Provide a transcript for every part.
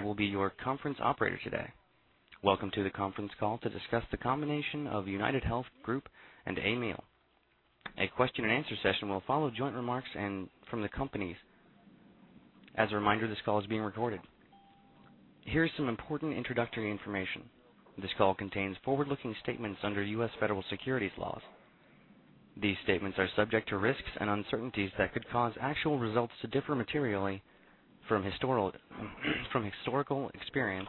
Morning. I will be your conference operator today. Welcome to the conference call to discuss the combination of UnitedHealth Group and Amil. A question and answer session will follow joint remarks from the companies. As a reminder, this call is being recorded. Here is some important introductory information. This call contains forward-looking statements under U.S. federal securities laws. These statements are subject to risks and uncertainties that could cause actual results to differ materially from historical experience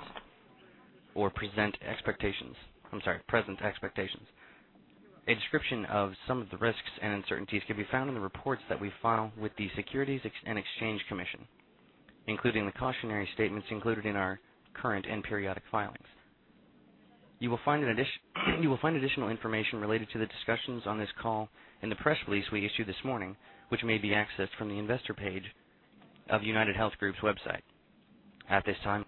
or present expectations. A description of some of the risks and uncertainties can be found in the reports that we file with the Securities and Exchange Commission, including the cautionary statements included in our current and periodic filings. You will find additional information related to the discussions on this call in the press release we issued this morning, which may be accessed from the investor page of UnitedHealth Group's website. At this time,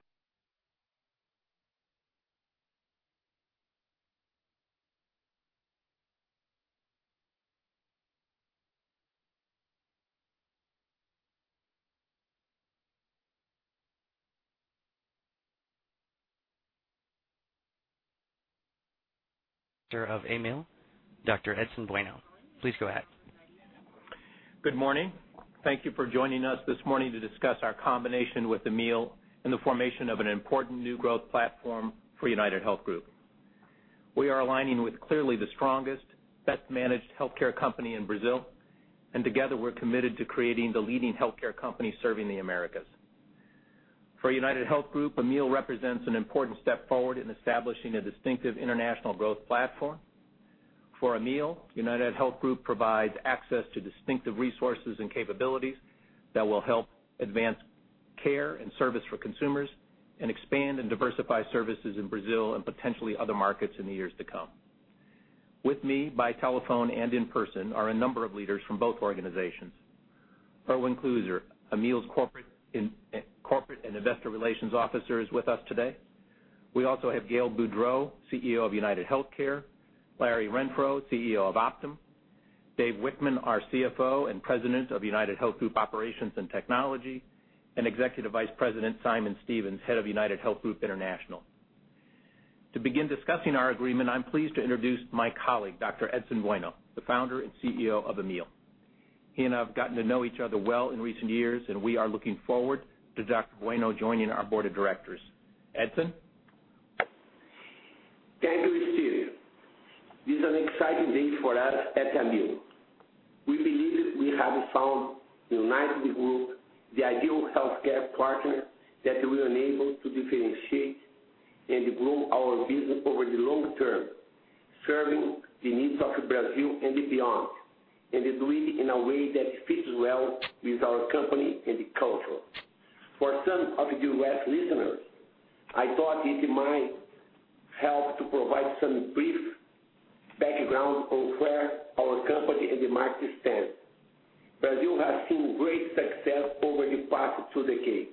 of Amil, Dr. Edson Bueno. Please go ahead. Good morning. Thank you for joining us this morning to discuss our combination with Amil and the formation of an important new growth platform for UnitedHealth Group. We are aligning with clearly the strongest, best-managed healthcare company in Brazil, and together we are committed to creating the leading healthcare company serving the Americas. For UnitedHealth Group, Amil represents an important step forward in establishing a distinctive international growth platform. For Amil, UnitedHealth Group provides access to distinctive resources and capabilities that will help advance care and service for consumers and expand and diversify services in Brazil and potentially other markets in the years to come. With me by telephone and in person are a number of leaders from both organizations. Erwin Kleuser, Amil's corporate and investor relations officer, is with us today. We also have Gail Boudreaux, CEO of UnitedHealthcare, Larry Renfro, CEO of Optum, Dave Wichmann, our CFO and President of UnitedHealth Group Operations and Technology, Executive Vice President Simon Stevens, head of UnitedHealth Group International. To begin discussing our agreement, I am pleased to introduce my colleague, Dr. Edson Bueno, the founder and CEO of Amil. He and I have gotten to know each other well in recent years, and we are looking forward to Dr. Bueno joining our board of directors. Edson? Thank you, Stephen. This is an exciting day for us at Amil. We believe we have found UnitedHealth Group, the ideal healthcare partner that will enable to differentiate and grow our business over the long term, serving the needs of Brazil and beyond, and doing it in a way that fits well with our company and culture. For some of the U.S. listeners, I thought it might help to provide some brief background on where our company and the market stands. Brazil has seen great success over the past two decades.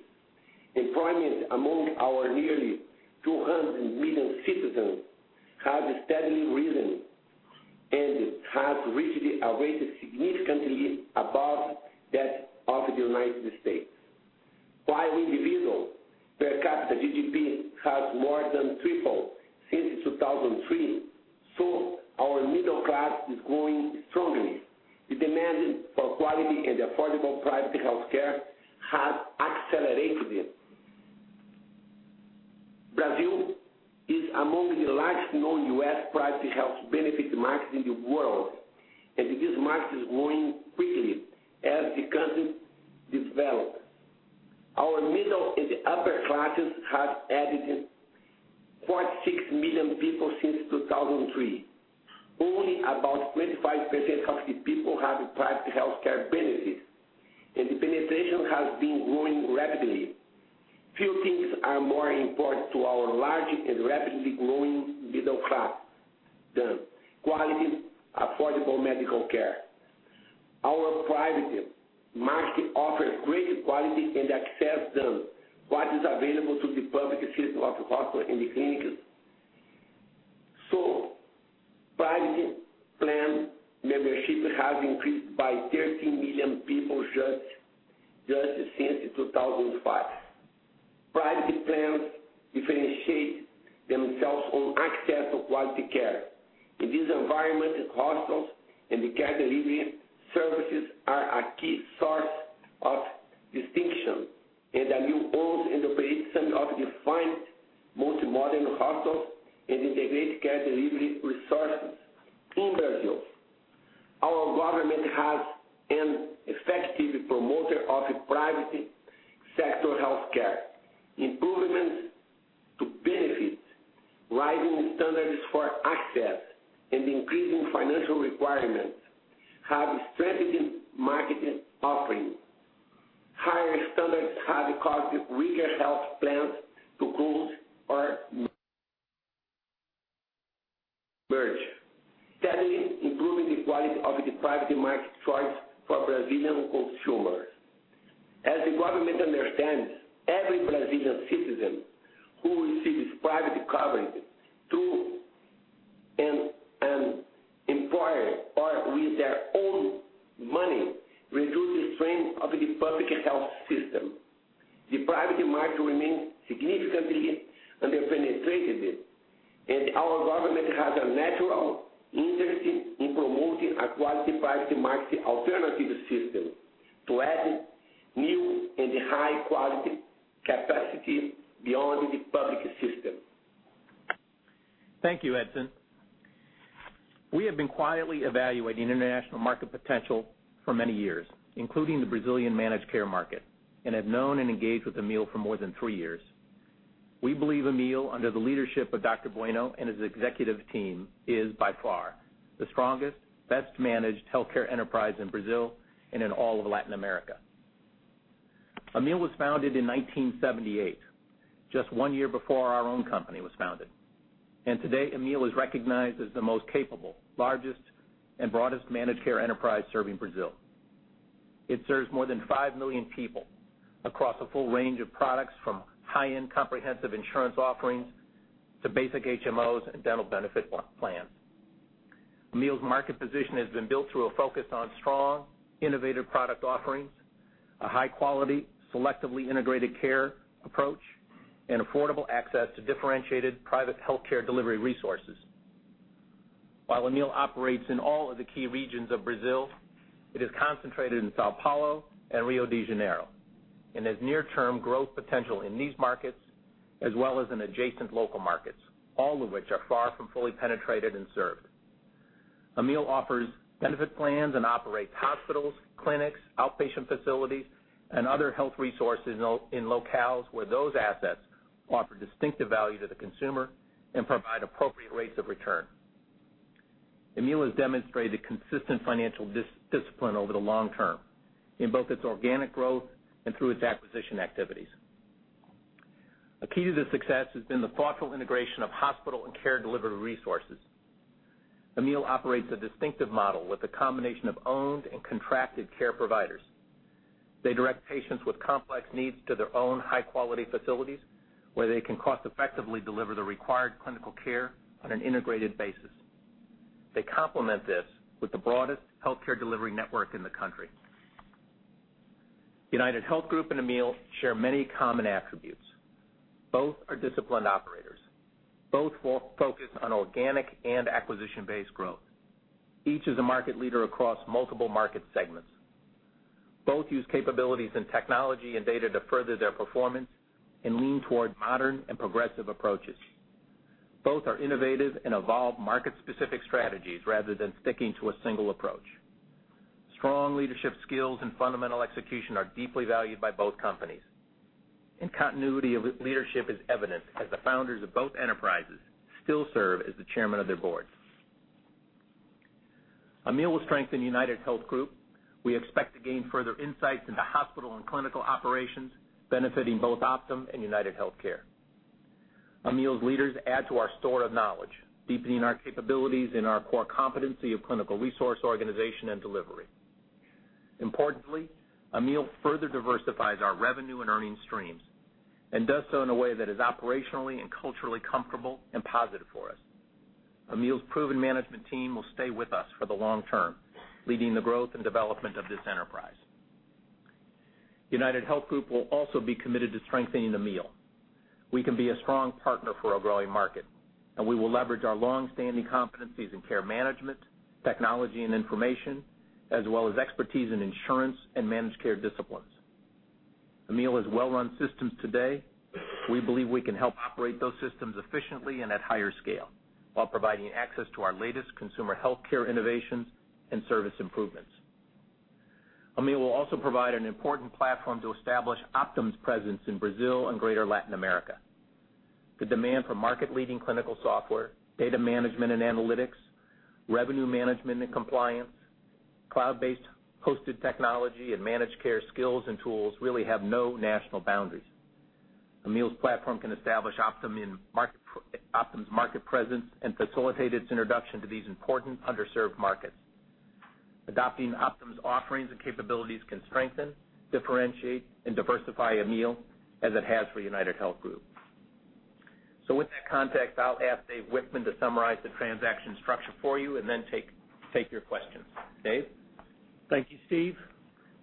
Employment among our nearly 200 million citizens has steadily risen and has reached a rate significantly above that of the United States. While individual per capita GDP has more than tripled since 2003, our middle class is growing strongly. The demand for quality and affordable private healthcare has accelerated. Brazil is among the largest non-U.S. private health benefit markets in the world. This market is growing quickly as the country develops. Our middle and upper classes have added 46 million people since 2003. Only about 25% of the people have private healthcare benefits. The penetration has been growing rapidly. Few things are more important to our large and rapidly growing middle class than quality, affordable medical care. Our private market offers greater quality and access than what is available to the public system of hospitals and clinics. Private plan membership has increased by 13 million people just since 2005. Private plans differentiate themselves on access to quality care. In this environment, hospitals and care delivery services are a key source of distinction, and Amil owns and operates some of the finest multi-modern hospitals and integrated care delivery resources in Brazil. Our government has been an effective promoter of private sector healthcare. Improvements to benefits, rising standards for access, and increasing financial requirements have strengthened market offerings. Higher standards have caused weaker health plans to close or merge, steadily improving the quality of the private market choice for Brazilian consumers. As the government understands, every Brazilian citizen who receives private coverage reduces the strain of the public health system. The private market remains significantly under-penetrated. Our government has a natural interest in promoting a qualified private market alternative system to add new and high-quality capacity beyond the public system. Thank you, Edson. We have been quietly evaluating international market potential for many years, including the Brazilian managed care market, and have known and engaged with Amil for more than three years. We believe Amil, under the leadership of Dr. Bueno and his executive team, is by far the strongest, best-managed healthcare enterprise in Brazil, and in all of Latin America. Amil was founded in 1978, just one year before our own company was founded. Today, Amil is recognized as the most capable, largest, and broadest managed care enterprise serving Brazil. It serves more than 5 million people across a full range of products from high-end comprehensive insurance offerings to basic HMOs and dental benefit plans. Amil's market position has been built through a focus on strong, innovative product offerings, a high-quality, selectively integrated care approach, and affordable access to differentiated private healthcare delivery resources. While Amil operates in all of the key regions of Brazil, it is concentrated in São Paulo and Rio de Janeiro, and has near-term growth potential in these markets, as well as in adjacent local markets, all of which are far from fully penetrated and served. Amil offers benefit plans and operates hospitals, clinics, outpatient facilities, and other health resources in locales where those assets offer distinctive value to the consumer and provide appropriate rates of return. Amil has demonstrated consistent financial discipline over the long term, in both its organic growth and through its acquisition activities. A key to the success has been the thoughtful integration of hospital and care delivery resources. Amil operates a distinctive model with a combination of owned and contracted care providers. They direct patients with complex needs to their own high-quality facilities, where they can cost-effectively deliver the required clinical care on an integrated basis. They complement this with the broadest healthcare delivery network in the country. UnitedHealth Group and Amil share many common attributes. Both are disciplined operators. Both focus on organic and acquisition-based growth. Each is a market leader across multiple market segments. Both use capabilities in technology and data to further their performance and lean toward modern and progressive approaches. Both are innovative and evolve market-specific strategies rather than sticking to a single approach. Continuity of leadership is evident as the founders of both enterprises still serve as the chairman of their boards. Amil will strengthen UnitedHealth Group. We expect to gain further insights into hospital and clinical operations, benefiting both Optum and UnitedHealthcare. Amil's leaders add to our store of knowledge, deepening our capabilities in our core competency of clinical resource organization and delivery. Importantly, Amil further diversifies our revenue and earnings streams and does so in a way that is operationally and culturally comfortable and positive for us. Amil's proven management team will stay with us for the long term, leading the growth and development of this enterprise. UnitedHealth Group will also be committed to strengthening Amil. We can be a strong partner for a growing market, and we will leverage our longstanding competencies in care management, technology, and information, as well as expertise in insurance and managed care disciplines. Amil has well-run systems today. We believe we can help operate those systems efficiently and at higher scale while providing access to our latest consumer healthcare innovations and service improvements. Amil will also provide an important platform to establish Optum's presence in Brazil and greater Latin America. The demand for market-leading clinical software, data management and analytics, revenue management and compliance, cloud-based hosted technology, and managed care skills and tools really have no national boundaries. Amil's platform can establish Optum's market presence and facilitate its introduction to these important underserved markets. Adopting Optum's offerings and capabilities can strengthen, differentiate, and diversify Amil as it has for UnitedHealth Group. With that context, I'll ask David Wichmann to summarize the transaction structure for you and then take your questions. Dave? Thank you, Steve.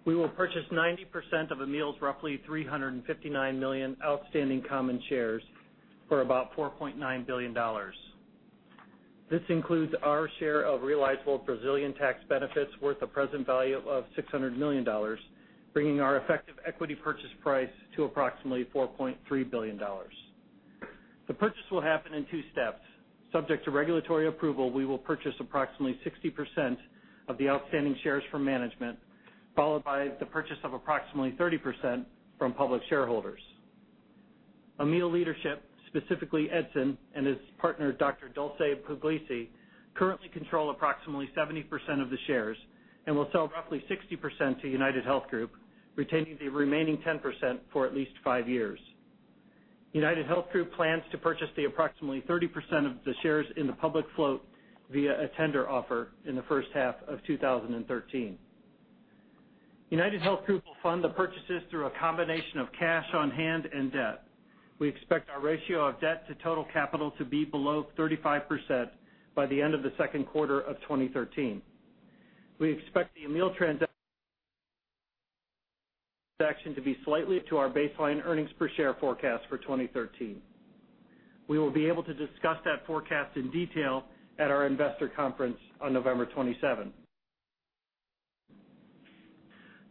We will purchase 90% of Amil's roughly 359 million outstanding common shares for about $4.9 billion. This includes our share of realizable Brazilian tax benefits worth a present value of $600 million, bringing our effective equity purchase price to approximately $4.3 billion. The purchase will happen in two steps. Subject to regulatory approval, we will purchase approximately 60% of the outstanding shares from management, followed by the purchase of approximately 30% from public shareholders. Amil leadership, specifically Edson and his partner, Dr. Dulce Pugliese de Godoy Bueno, currently control approximately 70% of the shares and will sell roughly 60% to UnitedHealth Group, retaining the remaining 10% for at least five years. UnitedHealth Group plans to purchase approximately 30% of the shares in the public float via a tender offer in the first half of 2013. UnitedHealth Group will fund the purchases through a combination of cash on hand and debt. We expect our ratio of debt to total capital to be below 35% by the end of the second quarter of 2013. We expect the Amil transaction to be slightly to our baseline earnings per share forecast for 2013. We will be able to discuss that forecast in detail at our investor conference on November 27.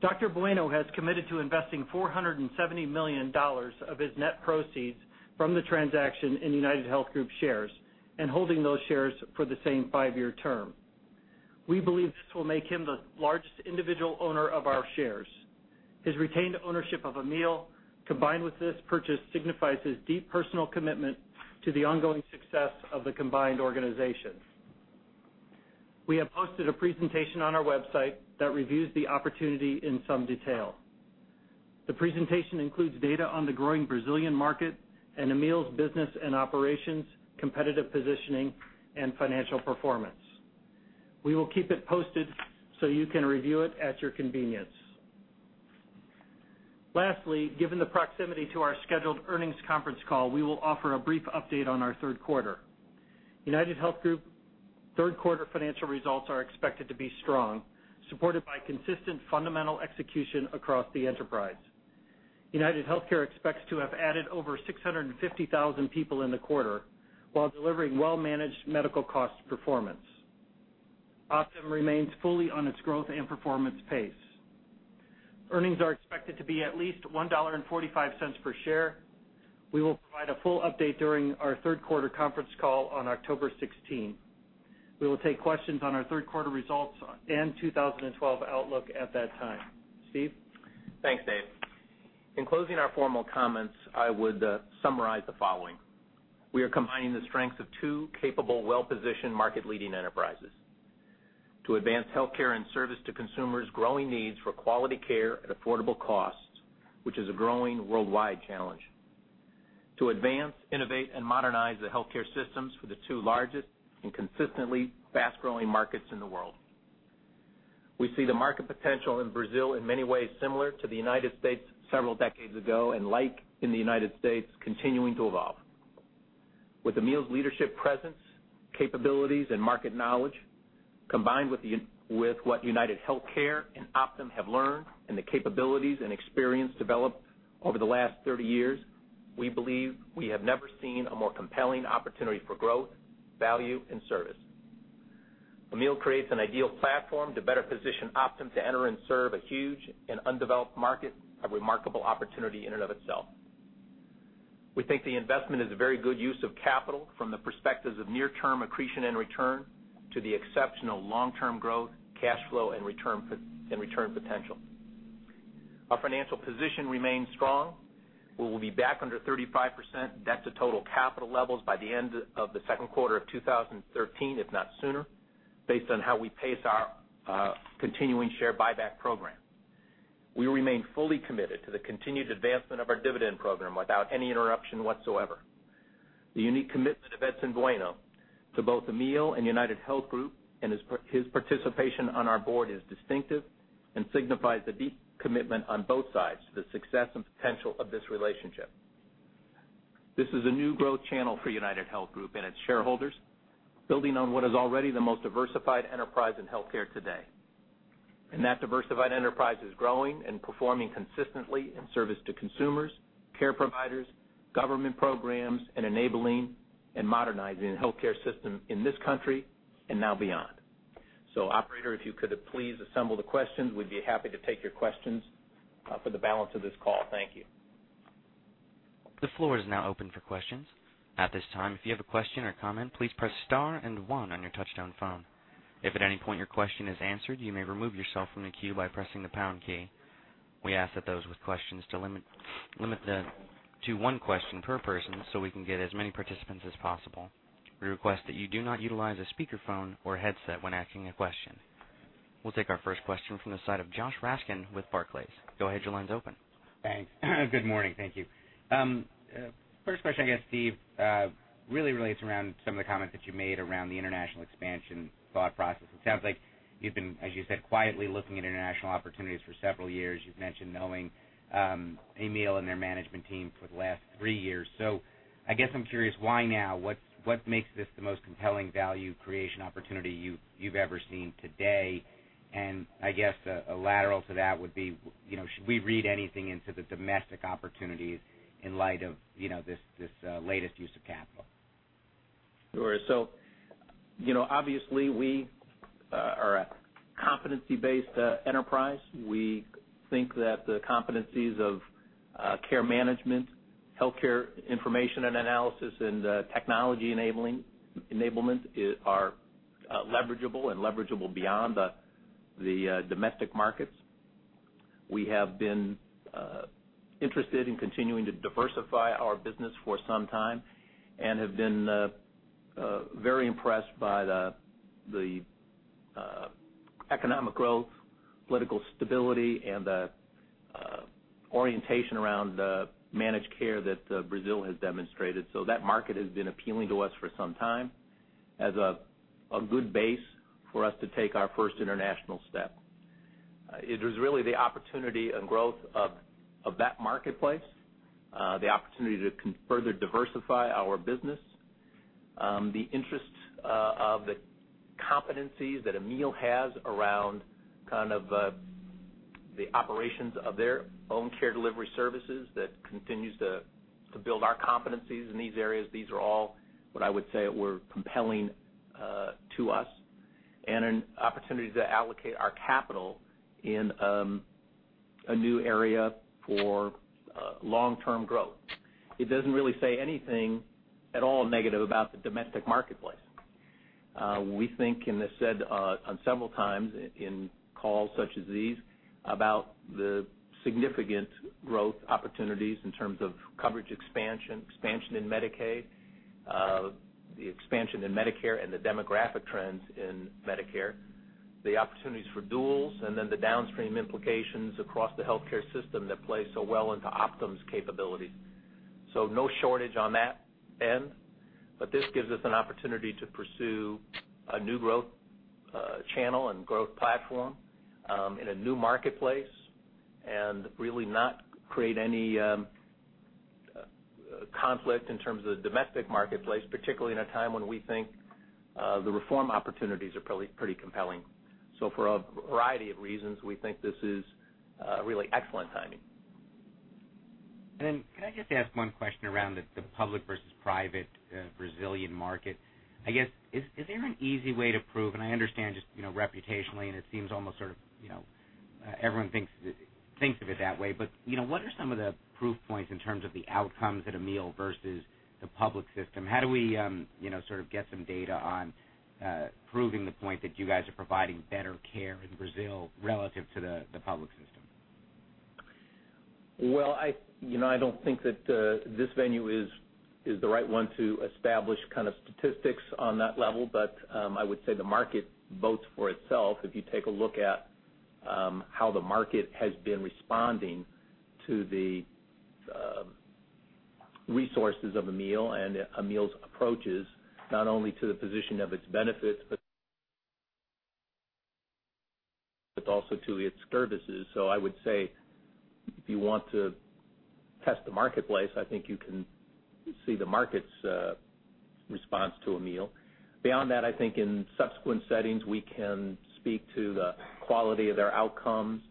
Dr. Bueno has committed to investing $470 million of his net proceeds from the transaction in UnitedHealth Group shares and holding those shares for the same five-year term. We believe this will make him the largest individual owner of our shares. His retained ownership of Amil, combined with this purchase, signifies his deep personal commitment to the ongoing success of the combined organization. We have posted a presentation on our website that reviews the opportunity in some detail. The presentation includes data on the growing Brazilian market and Amil's business and operations, competitive positioning, and financial performance. We will keep it posted so you can review it at your convenience. Lastly, given the proximity to our scheduled earnings conference call, we will offer a brief update on our third quarter. UnitedHealth Group third-quarter financial results are expected to be strong, supported by consistent fundamental execution across the enterprise. UnitedHealthcare expects to have added over 650,000 people in the quarter while delivering well-managed medical cost performance. Optum remains fully on its growth and performance pace. Earnings are expected to be at least $1.45 per share. We will provide a full update during our third-quarter conference call on October 16. We will take questions on our third-quarter results and 2012 outlook at that time. Steve? Thanks, Dave. In closing our formal comments, I would summarize the following. We are combining the strengths of two capable, well-positioned, market-leading enterprises to advance healthcare and service to consumers' growing needs for quality care at affordable costs, which is a growing worldwide challenge. To advance, innovate, and modernize the healthcare systems for the two largest and consistently fast-growing markets in the world. We see the market potential in Brazil in many ways similar to the United States several decades ago, and like in the United States, continuing to evolve. With Amil's leadership presence, capabilities, and market knowledge, combined with what UnitedHealthcare and Optum have learned and the capabilities and experience developed over the last 30 years, we believe we have never seen a more compelling opportunity for growth, value, and service. Amil creates an ideal platform to better position Optum to enter and serve a huge and undeveloped market, a remarkable opportunity in and of itself. We think the investment is a very good use of capital from the perspectives of near-term accretion and return to the exceptional long-term growth, cash flow, and return potential. Our financial position remains strong. We will be back under 35% debt to total capital levels by the end of the second quarter of 2013, if not sooner, based on how we pace our continuing share buyback program. We remain fully committed to the continued advancement of our dividend program without any interruption whatsoever. The unique commitment of Edson Bueno to both Amil and UnitedHealth Group and his participation on our board is distinctive and signifies the deep commitment on both sides to the success and potential of this relationship. This is a new growth channel for UnitedHealth Group and its shareholders, building on what is already the most diversified enterprise in healthcare today. That diversified enterprise is growing and performing consistently in service to consumers, care providers, government programs, and enabling and modernizing the healthcare system in this country and now beyond. Operator, if you could please assemble the questions, we'd be happy to take your questions for the balance of this call. Thank you. The floor is now open for questions. At this time, if you have a question or comment, please press star and one on your touch-tone phone. If at any point your question is answered, you may remove yourself from the queue by pressing the pound key. We ask that those with questions to limit to one question per person so we can get as many participants as possible. We request that you do not utilize a speakerphone or headset when asking a question. We'll take our first question from the side of Joshua Raskin with Barclays. Go ahead, your line's open. Thanks. Good morning. Thank you. First question, I guess, Steve, really relates around some of the comments that you made around the international expansion thought process. It sounds like you've been, as you said, quietly looking at international opportunities for several years. You've mentioned knowing Amil and their management team for the last three years. I guess I'm curious, why now? What makes this the most compelling value creation opportunity you've ever seen today? I guess a lateral to that would be, should we read anything into the domestic opportunities in light of this latest use of capital? Sure. Obviously, we are a competency-based enterprise. We think that the competencies of care management, healthcare information and analysis, and technology enablement are leverageable and leverageable beyond the domestic markets. We have been interested in continuing to diversify our business for some time and have been very impressed by the economic growth, political stability, and the orientation around the managed care that Brazil has demonstrated. That market has been appealing to us for some time as a good base for us to take our first international step. It was really the opportunity and growth of that marketplace, the opportunity to further diversify our business, the interest of the competencies that Amil has around the operations of their own care delivery services that continues to build our competencies in these areas. These are all what I would say were compelling to us, and an opportunity to allocate our capital in a new area for long-term growth. It doesn't really say anything at all negative about the domestic marketplace. We think, and have said on several times in calls such as these, about the significant growth opportunities in terms of coverage expansion in Medicaid, the expansion in Medicare, and the demographic trends in Medicare, the opportunities for duals, and then the downstream implications across the healthcare system that play so well into Optum's capabilities. No shortage on that end. This gives us an opportunity to pursue a new growth channel and growth platform in a new marketplace, and really not create any conflict in terms of the domestic marketplace, particularly in a time when we think the reform opportunities are pretty compelling. For a variety of reasons, we think this is really excellent timing. Can I just ask one question around the public versus private Brazilian market? I guess, is there an easy way to prove, and I understand just reputationally, and it seems almost sort of everyone thinks of it that way, but what are some of the proof points in terms of the outcomes at Amil versus the public system? How do we get some data on proving the point that you guys are providing better care in Brazil relative to the public system? I don't think that this venue is the right one to establish statistics on that level. I would say the market votes for itself. If you take a look at how the market has been responding to the resources of Amil and Amil's approaches, not only to the position of its benefits but also to its services. I would say if you want to test the marketplace, I think you can see the market's response to Amil. Beyond that, I think in subsequent settings, we can speak to the quality of their outcomes,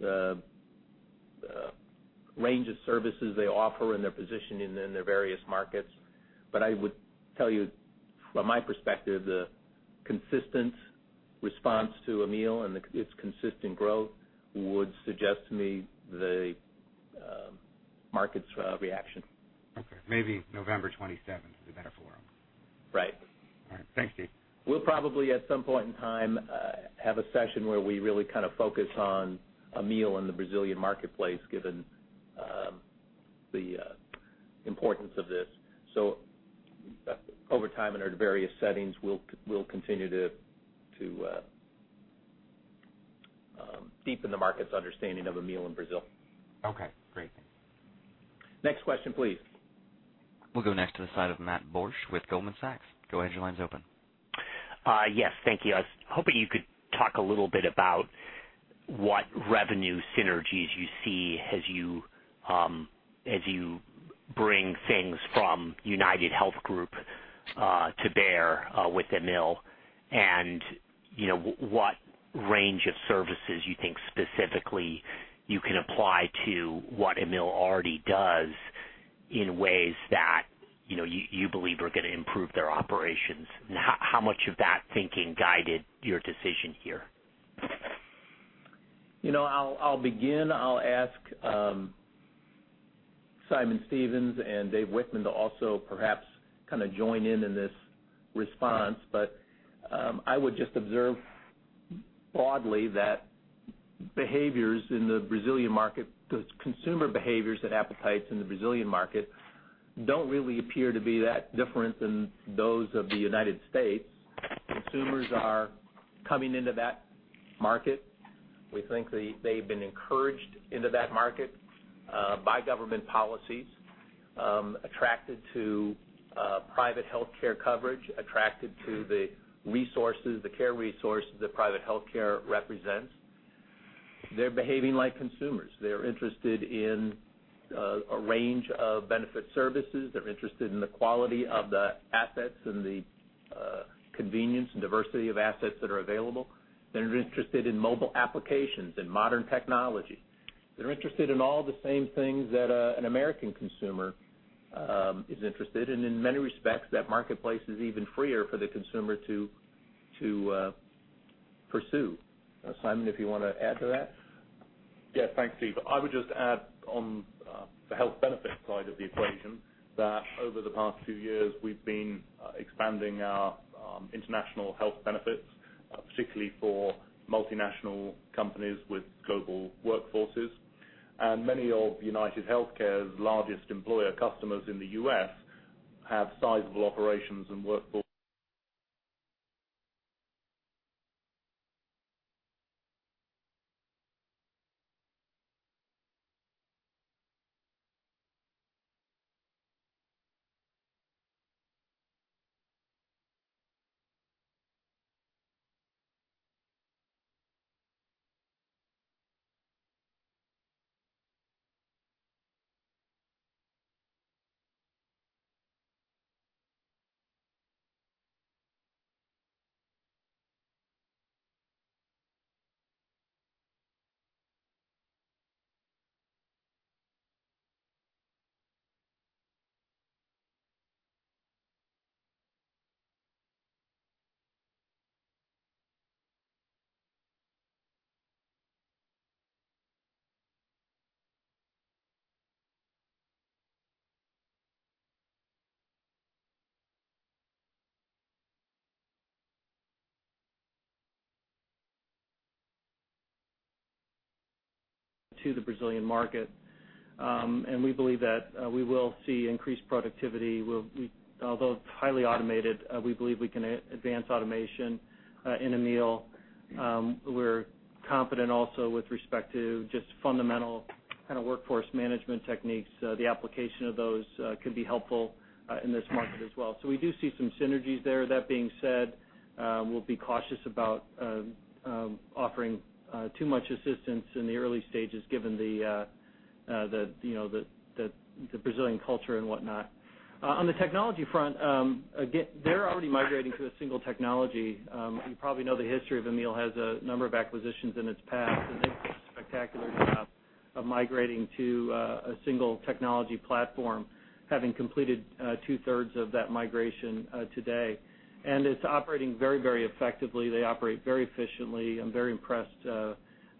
the range of services they offer, and their positioning in their various markets. I would tell you from my perspective, the consistent response to Amil and its consistent growth would suggest to me the market's reaction. Okay. Maybe November 27th would be a better forum. Right. All right. Thanks, Steve. We'll probably at some point in time have a session where we really focus on Amil and the Brazilian marketplace given the importance of this. Over time in our various settings, we'll continue to deepen the market's understanding of Amil in Brazil. Okay, great. Next question, please. We'll go next to the side of Matthew Borsch with Goldman Sachs. Go ahead, your line's open. Yes, thank you. I was hoping you could talk a little bit about what revenue synergies you see as you bring things from UnitedHealth Group to bear with Amil, and what range of services you think specifically you can apply to what Amil already does in ways that you believe are going to improve their operations, and how much of that thinking guided your decision here? I'll begin. I'll ask Simon Stevens and David Wichmann to also perhaps join in in this response. I would just observe broadly that behaviors in the Brazilian market, the consumer behaviors and appetites in the Brazilian market don't really appear to be that different than those of the U.S. Consumers are coming into that market. We think they've been encouraged into that market by government policies, attracted to private healthcare coverage, attracted to the resources, the care resources that private healthcare represents. They're behaving like consumers. They're interested in a range of benefit services. They're interested in the quality of the assets and the convenience and diversity of assets that are available. They're interested in mobile applications and modern technology. They're interested in all the same things that an American consumer is interested in. In many respects, that marketplace is even freer for the consumer to pursue. Simon, if you want to add to that? Yes. Thanks, Steve. I would just add on the health benefit side of the equation, that over the past few years, we've been expanding our international health benefits, particularly for multinational companies with global workforces. Many of UnitedHealthcare's largest employer customers in the U.S. have sizable operations and workforces To the Brazilian market. We believe that we will see increased productivity. Although it's highly automated, we believe we can advance automation in Amil. We're confident also with respect to just fundamental kind of workforce management techniques. The application of those can be helpful in this market as well. We do see some synergies there. That being said, we'll be cautious about offering too much assistance in the early stages, given the Brazilian culture and whatnot. On the technology front, they're already migrating to a single technology. You probably know the history of Amil has a number of acquisitions in its past, and they've done a spectacular job of migrating to a single technology platform, having completed two-thirds of that migration today. It's operating very effectively. They operate very efficiently. I'm very impressed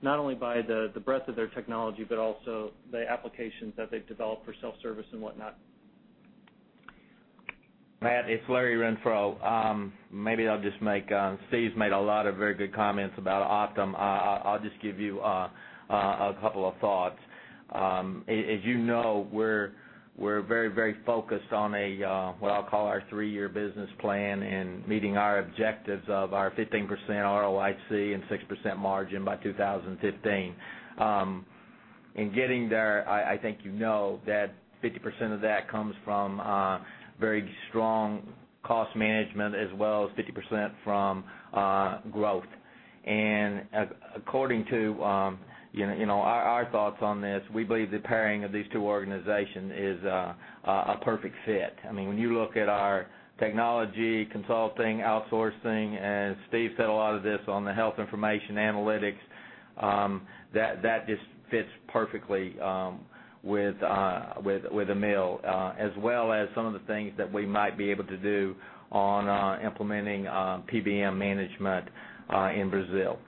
not only by the breadth of their technology, but also the applications that they've developed for self-service and whatnot. Matt, it's Larry Renfro. Steve's made a lot of very good comments about Optum. I'll just give you a couple of thoughts. As you know, we're very focused on what I'll call our three-year business plan and meeting our objectives of our 15% ROIC and 6% margin by 2015. In getting there, I think you know that 50% of that comes from very strong cost management as well as 50% from growth. According to our thoughts on this, we believe the pairing of these two organizations is a perfect fit. When you look at our technology consulting, outsourcing, and Steve said a lot of this on the health information analytics, that just fits perfectly with Amil, as well as some of the things that we might be able to do on implementing PBM management in Brazil.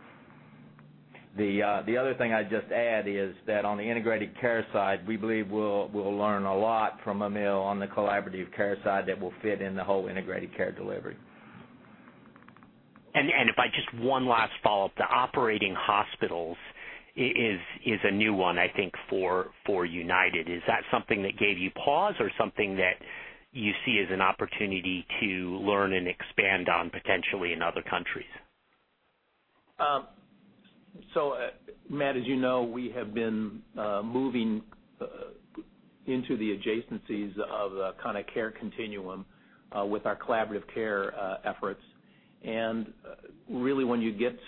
The other thing I'd just add is that on the integrated care side, we believe we'll learn a lot from Amil on the collaborative care side that will fit in the whole integrated care delivery. If I just one last follow-up, the operating hospitals is a new one, I think, for United. Is that something that gave you pause or something that you see as an opportunity to learn and expand on potentially in other countries? Matt, as you know, we have been moving into the adjacencies of the kind of care continuum with our collaborative care efforts. Really when you get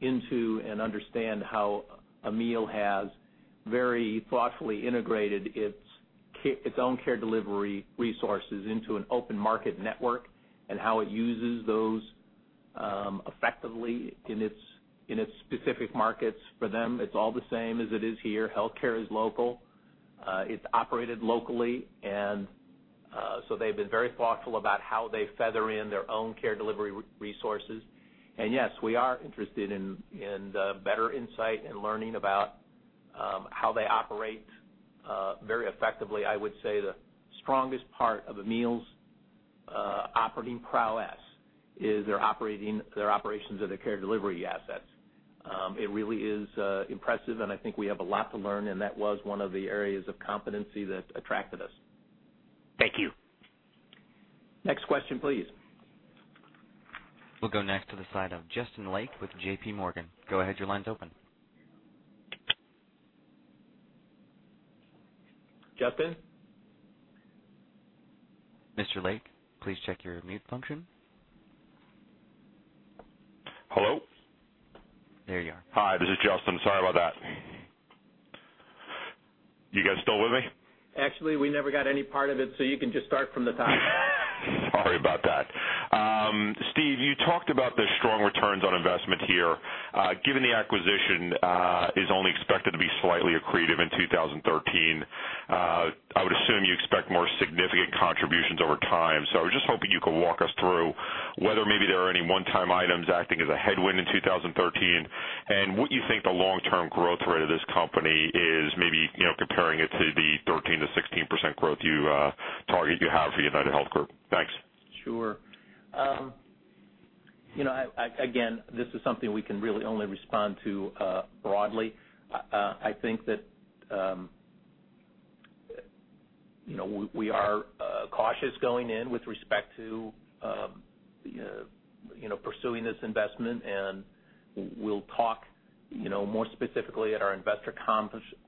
into and understand how Amil has very thoughtfully integrated its own care delivery resources into an open market network and how it uses those effectively in its specific markets. For them, it's all the same as it is here. Healthcare is local. It's operated locally, they've been very thoughtful about how they feather in their own care delivery resources. Yes, we are interested in the better insight and learning about how they operate very effectively. I would say the strongest part of Amil's operating prowess is their operations of their care delivery assets. It really is impressive, and I think we have a lot to learn, and that was one of the areas of competency that attracted us. Thank you. Next question, please. We'll go next to the side of Justin Lake with J.P. Morgan. Go ahead, your line's open. Justin? Mr. Lake, please check your mute function. Hello? There you are. Hi, this is Justin. Sorry about that. You guys still with me? Actually, we never got any part of it, so you can just start from the top. Sorry about that. Steve, you talked about the strong returns on investment here. Given the acquisition is only expected to be slightly accretive in 2013, I would assume you expect more significant contributions over time. I was just hoping you could walk us through whether maybe there are any one-time items acting as a headwind in 2013, and what you think the long-term growth rate of this company is, maybe comparing it to the 13%-16% growth target you have for UnitedHealth Group. Thanks. Sure. Again, this is something we can really only respond to broadly. We are cautious going in with respect to pursuing this investment, and we'll talk more specifically at our investor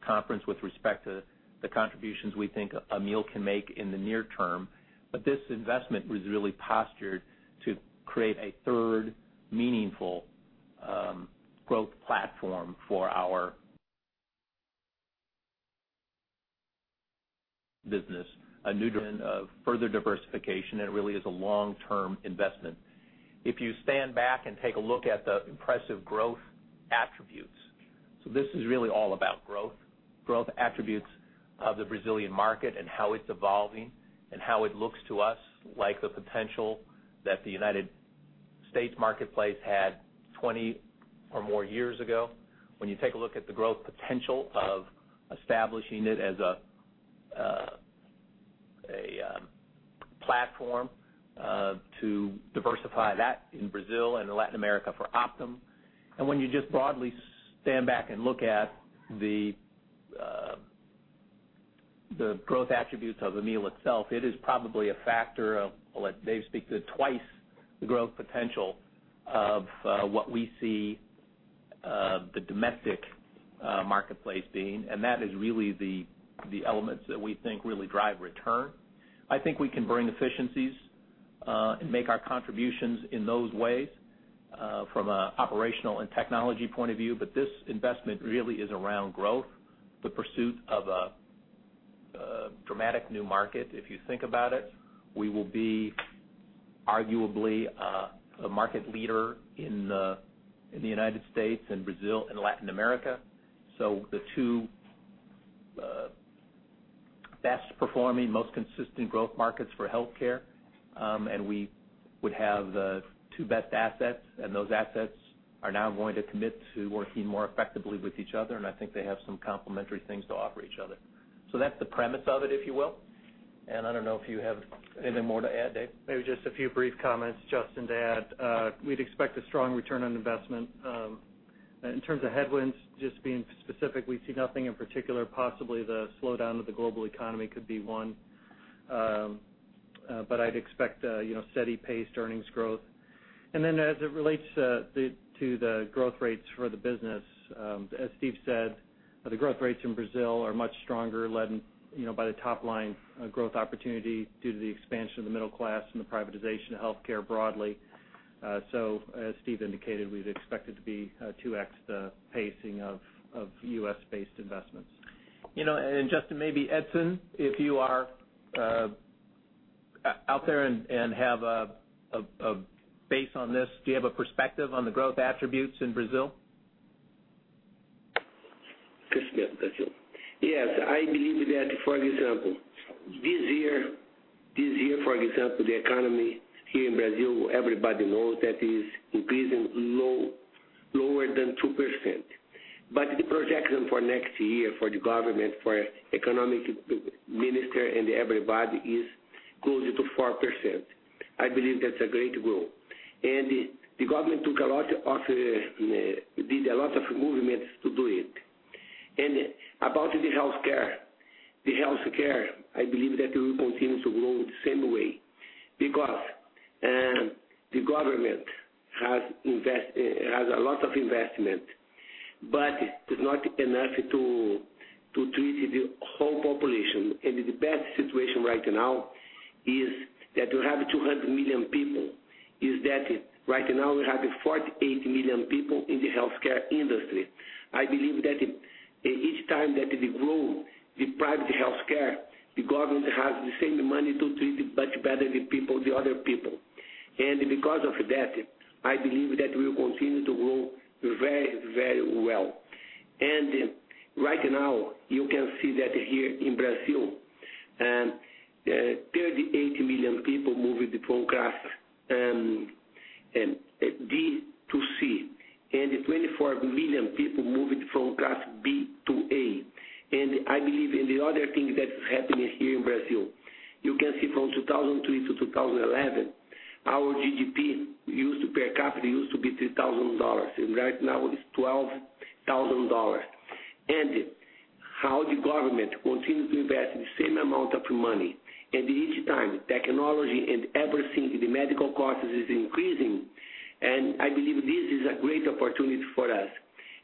conference with respect to the contributions we think Amil can make in the near term. This investment was really postured to create a third meaningful growth platform for our business, a new further diversification, and it really is a long-term investment. If you stand back and take a look at the impressive growth attributes, so this is really all about growth attributes of the Brazilian market and how it's evolving and how it looks to us like the potential that the U.S. marketplace had 20 or more years ago. When you take a look at the growth potential of establishing it as a platform to diversify that in Brazil and Latin America for Optum, and when you just broadly stand back and look at the growth attributes of Amil itself, it is probably a factor of, I'll let Dave speak to it, twice the growth potential of what we see the domestic marketplace being, and that is really the elements that we think really drive return. I think we can bring efficiencies, and make our contributions in those ways from an operational and technology point of view. This investment really is around growth, the pursuit of a dramatic new market. If you think about it, we will be arguably a market leader in the U.S. and Brazil and Latin America. The two best-performing, most consistent growth markets for healthcare, and we would have the two best assets. Those assets are now going to commit to working more effectively with each other. I think they have some complementary things to offer each other. That's the premise of it, if you will. I don't know if you have anything more to add, Dave. Maybe just a few brief comments, Justin, to add. We'd expect a strong ROI. In terms of headwinds, just being specific, we see nothing in particular. Possibly the slowdown of the global economy could be one. I'd expect steady paced earnings growth. As it relates to the growth rates for the business, as Steve said, the growth rates in Brazil are much stronger, led by the top-line growth opportunity due to the expansion of the middle class and the privatization of healthcare broadly. As Steve indicated, we'd expect it to be 2x the pacing of U.S.-based investments. Justin, maybe Edson, if you are out there and have a base on this, do you have a perspective on the growth attributes in Brazil? Yes. I believe that, for example, this year, the economy here in Brazil, everybody knows that is increasing lower than 2%. The projection for next year for the government, for economic minister and everybody is closer to 4%. I believe that's a great growth. The government did a lot of movements to do it. About the healthcare, I believe that it will continue to grow the same way because the government has a lot of investment, but it's not enough to treat the whole population. The best situation right now is that you have 200 million people, is that right now we have 48 million people in the healthcare industry. I believe that each time that they grow the private healthcare, the government has the same money to treat much better the other people. Because of that, I believe that we will continue to grow very well. Right now, you can see that here in Brazil, 38 million people moved from class D to C, and 24 million people moved from class B to A. I believe in the other thing that is happening here in Brazil. You can see from 2003 to 2011, our GDP per capita used to be $3,000, and right now it is $12,000. How the government continues to invest the same amount of money, and each time technology and everything, the medical cost is increasing, I believe this is a great opportunity for us.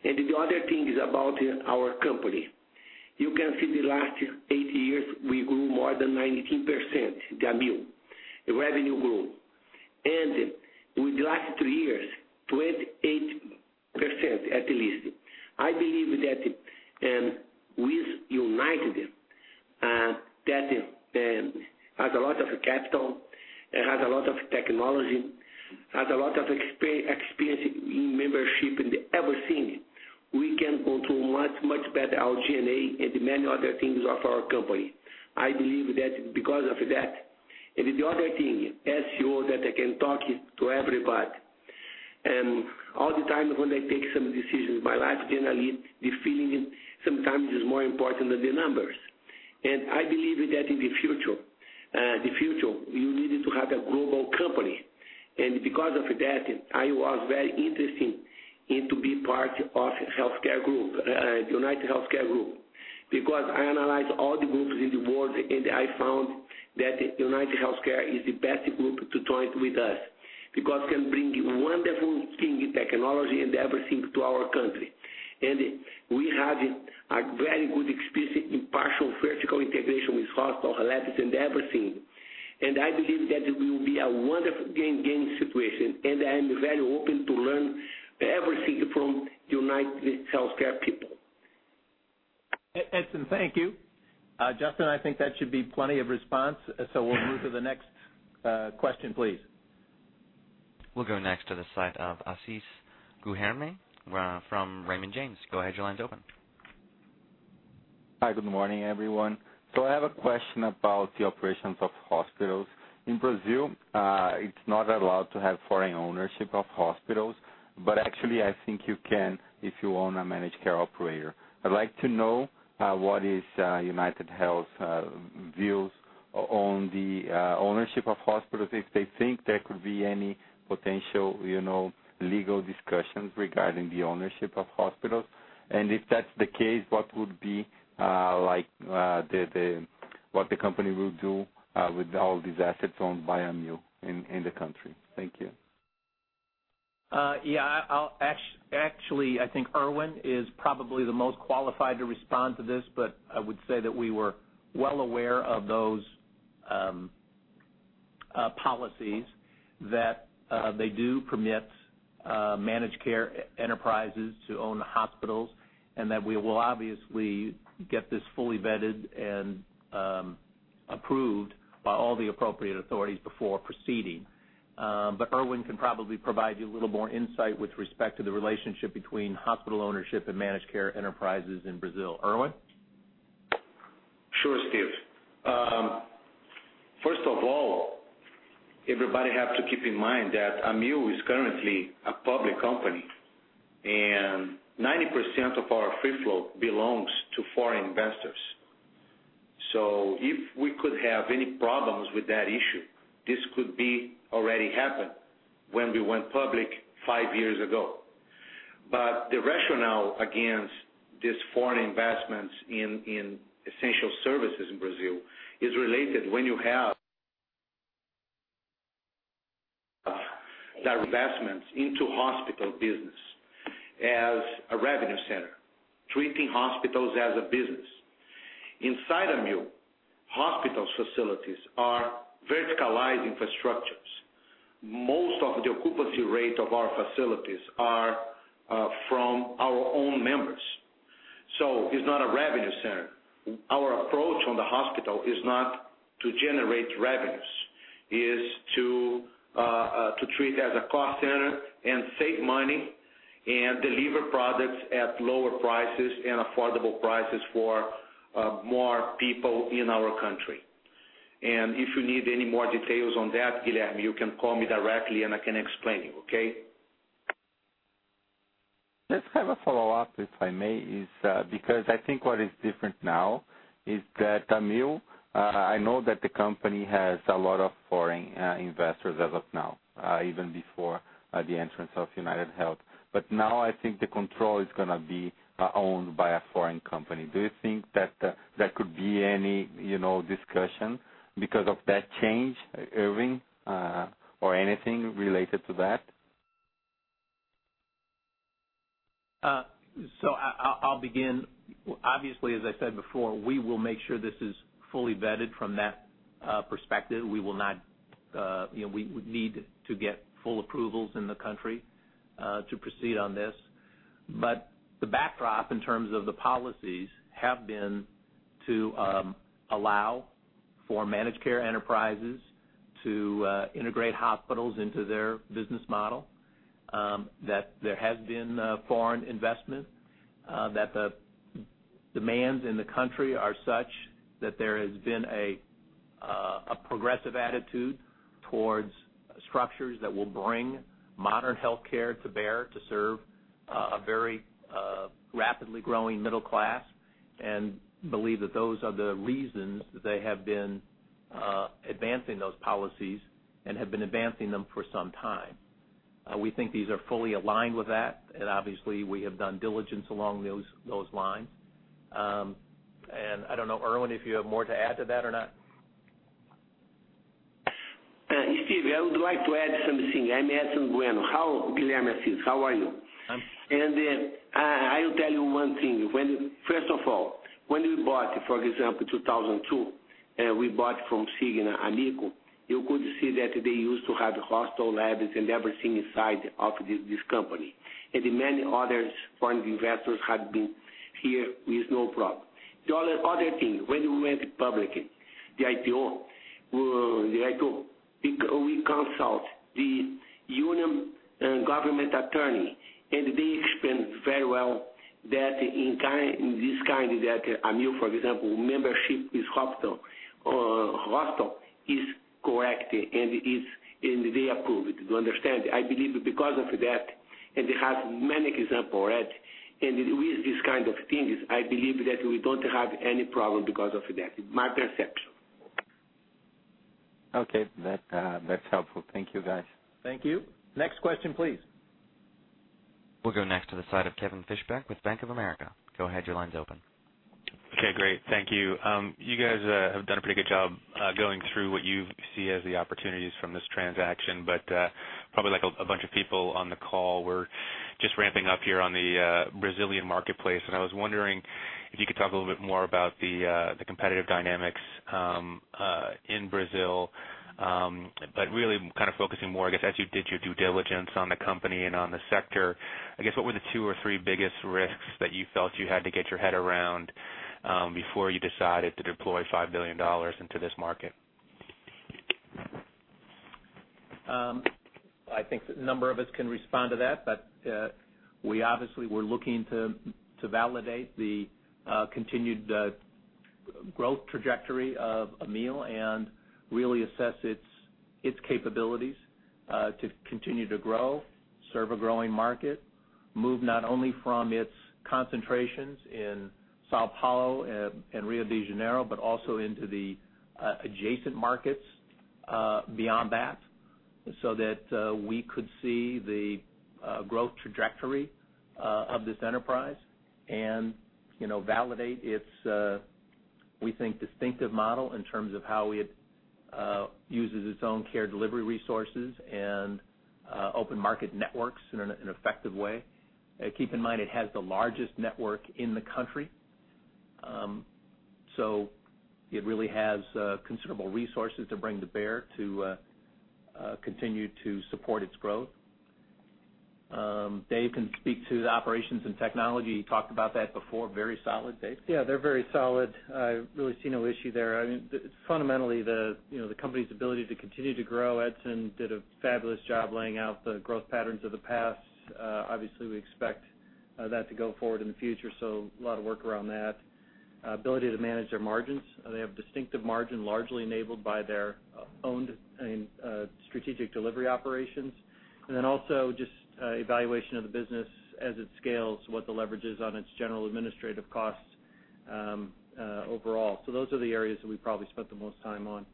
The other thing is about our company. You can see the last eight years, we grew more than 19%, Amil, the revenue grew. With the last two years, 28% at least. I believe that with United, that has a lot of capital, it has a lot of technology, has a lot of experience in membership and everything, we can control much better our G&A and many other things of our company. I believe that because of that. The other thing, as you all that I can talk to everybody, all the time when I take some decisions in my life, generally, the feeling sometimes is more important than the numbers. I believe that the feeling the future, you needed to have a global company. Because of that, I was very interested in to be part of the UnitedHealthcare Group, because I analyzed all the groups in the world, and I found that UnitedHealthcare is the best group to join with us. Can bring wonderful thing in technology and everything to our country. We have a very good experience in partial vertical integration with hospital, labs, and everything. I believe that it will be a wonderful gain-gain situation, and I am very open to learn everything from UnitedHealthcare people. Edson, thank you. Justin, I think that should be plenty of response, we'll move to the next question, please. We'll go next to the line of Guilherme Assis from Raymond James. Go ahead, your line's open. Hi, good morning, everyone. I have a question about the operations of hospitals. In Brazil, it's not allowed to have foreign ownership of hospitals, but actually, I think you can if you own a managed care operator. I'd like to know what is UnitedHealth views on the ownership of hospitals, if they think there could be any potential legal discussions regarding the ownership of hospitals. If that's the case, what the company will do with all these assets owned by Amil in the country. Thank you. Actually, I think Erwin is probably the most qualified to respond to this, I would say that we were well aware of those policies that they do permit managed care enterprises to own hospitals, we will obviously get this fully vetted and approved by all the appropriate authorities before proceeding. Erwin can probably provide you a little more insight with respect to the relationship between hospital ownership and managed care enterprises in Brazil. Erwin? Sure, Steve. First of all, everybody have to keep in mind that Amil is currently a public company, 90% of our free float belongs to foreign investors. If we could have any problems with that issue, this could be already happened when we went public five years ago. The rationale against these foreign investments in essential services in Brazil is related when you have the investments into hospital business as a revenue center, treating hospitals as a business. Inside Amil, hospital facilities are verticalized infrastructures. Most of the occupancy rate of our facilities are from our own members. It's not a revenue center. Our approach on the hospital is not to generate revenues. It is to treat as a cost center and save money and deliver products at lower prices and affordable prices for more people in our country. If you need any more details on that, Guilherme, you can call me directly, and I can explain you, okay? Let's have a follow-up, if I may, because I think what is different now is that Amil. I know that the company has a lot of foreign investors as of now, even before the entrance of UnitedHealth. Now I think the control is going to be owned by a foreign company. Do you think that there could be any discussion because of that change, Erwin, or anything related to that? I'll begin. Obviously, as I said before, we will make sure this is fully vetted from that perspective. We would need to get full approvals in the country to proceed on this. The backdrop in terms of the policies have been to allow for managed care enterprises to integrate hospitals into their business model, that there has been foreign investment, that the demands in the country are such that there has been a progressive attitude towards structures that will bring modern healthcare to bear to serve a very rapidly growing middle class and believe that those are the reasons that they have been advancing those policies and have been advancing them for some time. We think these are fully aligned with that, and obviously, we have done diligence along those lines. I don't know, Erwin, if you have more to add to that or not. Steve, I would like to add something. I'm Edson Bueno. Hello, Guilherme Assis, how are you? I'm fine. I will tell you one thing. First of all, when we bought, for example, 2002, we bought from Cigna Amil, you could see that they used to have hospital labs and everything inside of this company. Many others foreign investors had been here with no problem. The other thing, when we went public, the IPO, we consult the union government attorney, and they explained very well that in this kind, that Amil, for example, membership with hospital is They approve it. Do you understand? I believe because of that, they have many examples already, with these kind of things, I believe that we don't have any problem because of that. My perception. Okay. That's helpful. Thank you, guys. Thank you. Next question, please. We'll go next to Kevin Fischbeck with Bank of America. Go ahead, your line's open. Okay, great. Thank you. You guys have done a pretty good job going through what you see as the opportunities from this transaction. Probably like a bunch of people on the call, we're just ramping up here on the Brazilian marketplace, and I was wondering if you could talk a little bit more about the competitive dynamics in Brazil. Really focusing more, I guess, as you did your due diligence on the company and on the sector, I guess, what were the two or three biggest risks that you felt you had to get your head around before you decided to deploy $5 billion into this market? I think a number of us can respond to that. We obviously were looking to validate the continued growth trajectory of Amil and really assess its capabilities to continue to grow, serve a growing market, move not only from its concentrations in São Paulo and Rio de Janeiro, but also into the adjacent markets beyond that, so that we could see the growth trajectory of this enterprise and validate its, we think, distinctive model in terms of how it uses its own care delivery resources and open market networks in an effective way. Keep in mind, it has the largest network in the country. It really has considerable resources to bring to bear to continue to support its growth. Dave can speak to the Operations and Technology. He talked about that before. Very solid, Dave. Yeah, they're very solid. I really see no issue there. It's fundamentally the company's ability to continue to grow. Edson did a fabulous job laying out the growth patterns of the past. Obviously, we expect that to go forward in the future. A lot of work around that. Ability to manage their margins. They have distinctive margin, largely enabled by their owned strategic delivery operations. Also just evaluation of the business as it scales, what the leverage is on its general administrative costs overall. Those are the areas that we probably spent the most time on.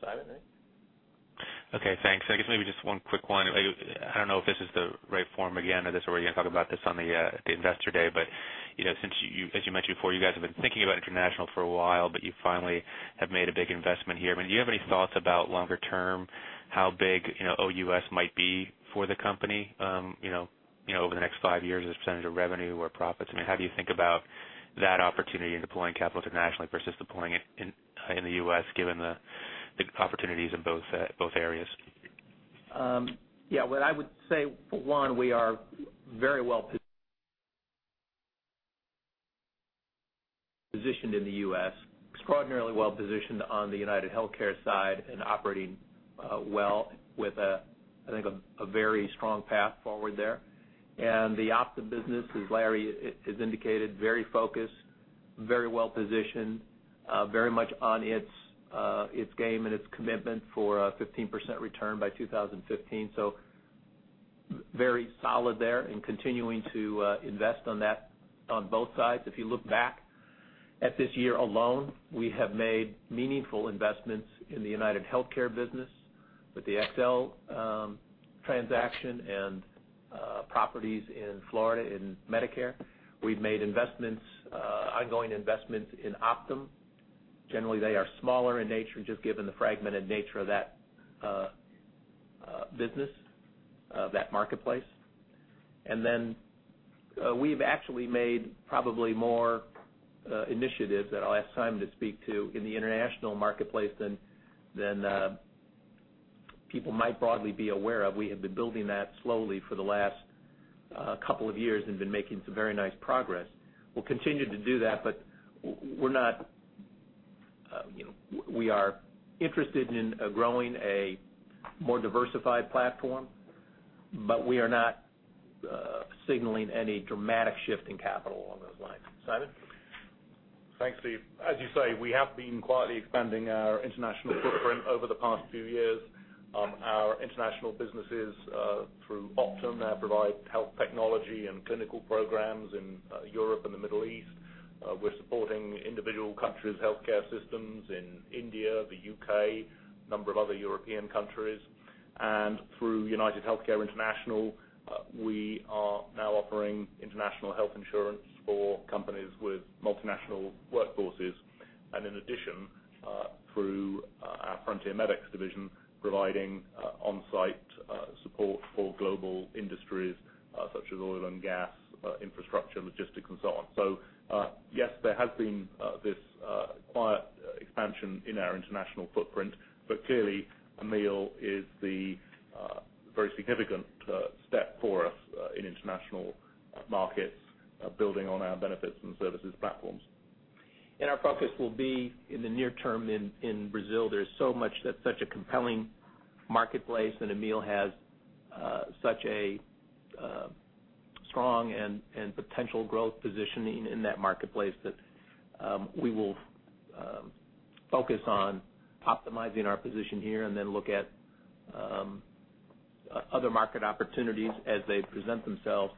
Simon? Okay, thanks. I guess maybe just one quick one. I don't know if this is the right forum again, or this is where you're going to talk about this on the Investor Day. As you mentioned before, you guys have been thinking about international for a while. You finally have made a big investment here. Do you have any thoughts about longer term, how big OUS might be for the company over the next five years as a percentage of revenue or profits? How do you think about that opportunity in deploying capital internationally versus deploying it in the U.S., given the big opportunities in both areas? Yeah. What I would say, one, we are very well-positioned in the U.S., extraordinarily well-positioned on the UnitedHealthcare side, operating well with, I think, a very strong path forward there. The Optum business, as Larry has indicated, very focused, very well-positioned, very much on its game and its commitment for a 15% return by 2015. Very solid there, continuing to invest on both sides. If you look back at this year alone, we have made meaningful investments in the UnitedHealthcare business with the XLHealth transaction and properties in Florida in Medicare. We've made ongoing investments in Optum. Generally, they are smaller in nature, just given the fragmented nature of that business, that marketplace. We've actually made probably more initiatives that I'll ask Simon to speak to in the international marketplace than people might broadly be aware of. We have been building that slowly for the last couple of years, been making some very nice progress. We'll continue to do that. We are interested in growing a more diversified platform. We are not signaling any dramatic shift in capital along those lines. Simon? Thanks, Steve. As you say, we have been quietly expanding our international footprint over the past few years. Our international businesses through Optum provide health technology and clinical programs in Europe and the Middle East. We're supporting individual countries' healthcare systems in India, the U.K., a number of other European countries. Through UnitedHealthcare International, we are now offering international health insurance for companies with multinational workforces. In addition, through our FrontierMEDEX division, providing on-site support for global industries such as oil and gas, infrastructure, logistics, and so on. Yes, there has been this quiet expansion in our international footprint, but clearly Amil is the very significant step for us in international markets, building on our benefits and services platforms. Our focus will be in the near term in Brazil. There's so much that's such a compelling marketplace, Amil has such a strong and potential growth positioning in that marketplace that we will focus on optimizing our position here and then look at other market opportunities as they present themselves.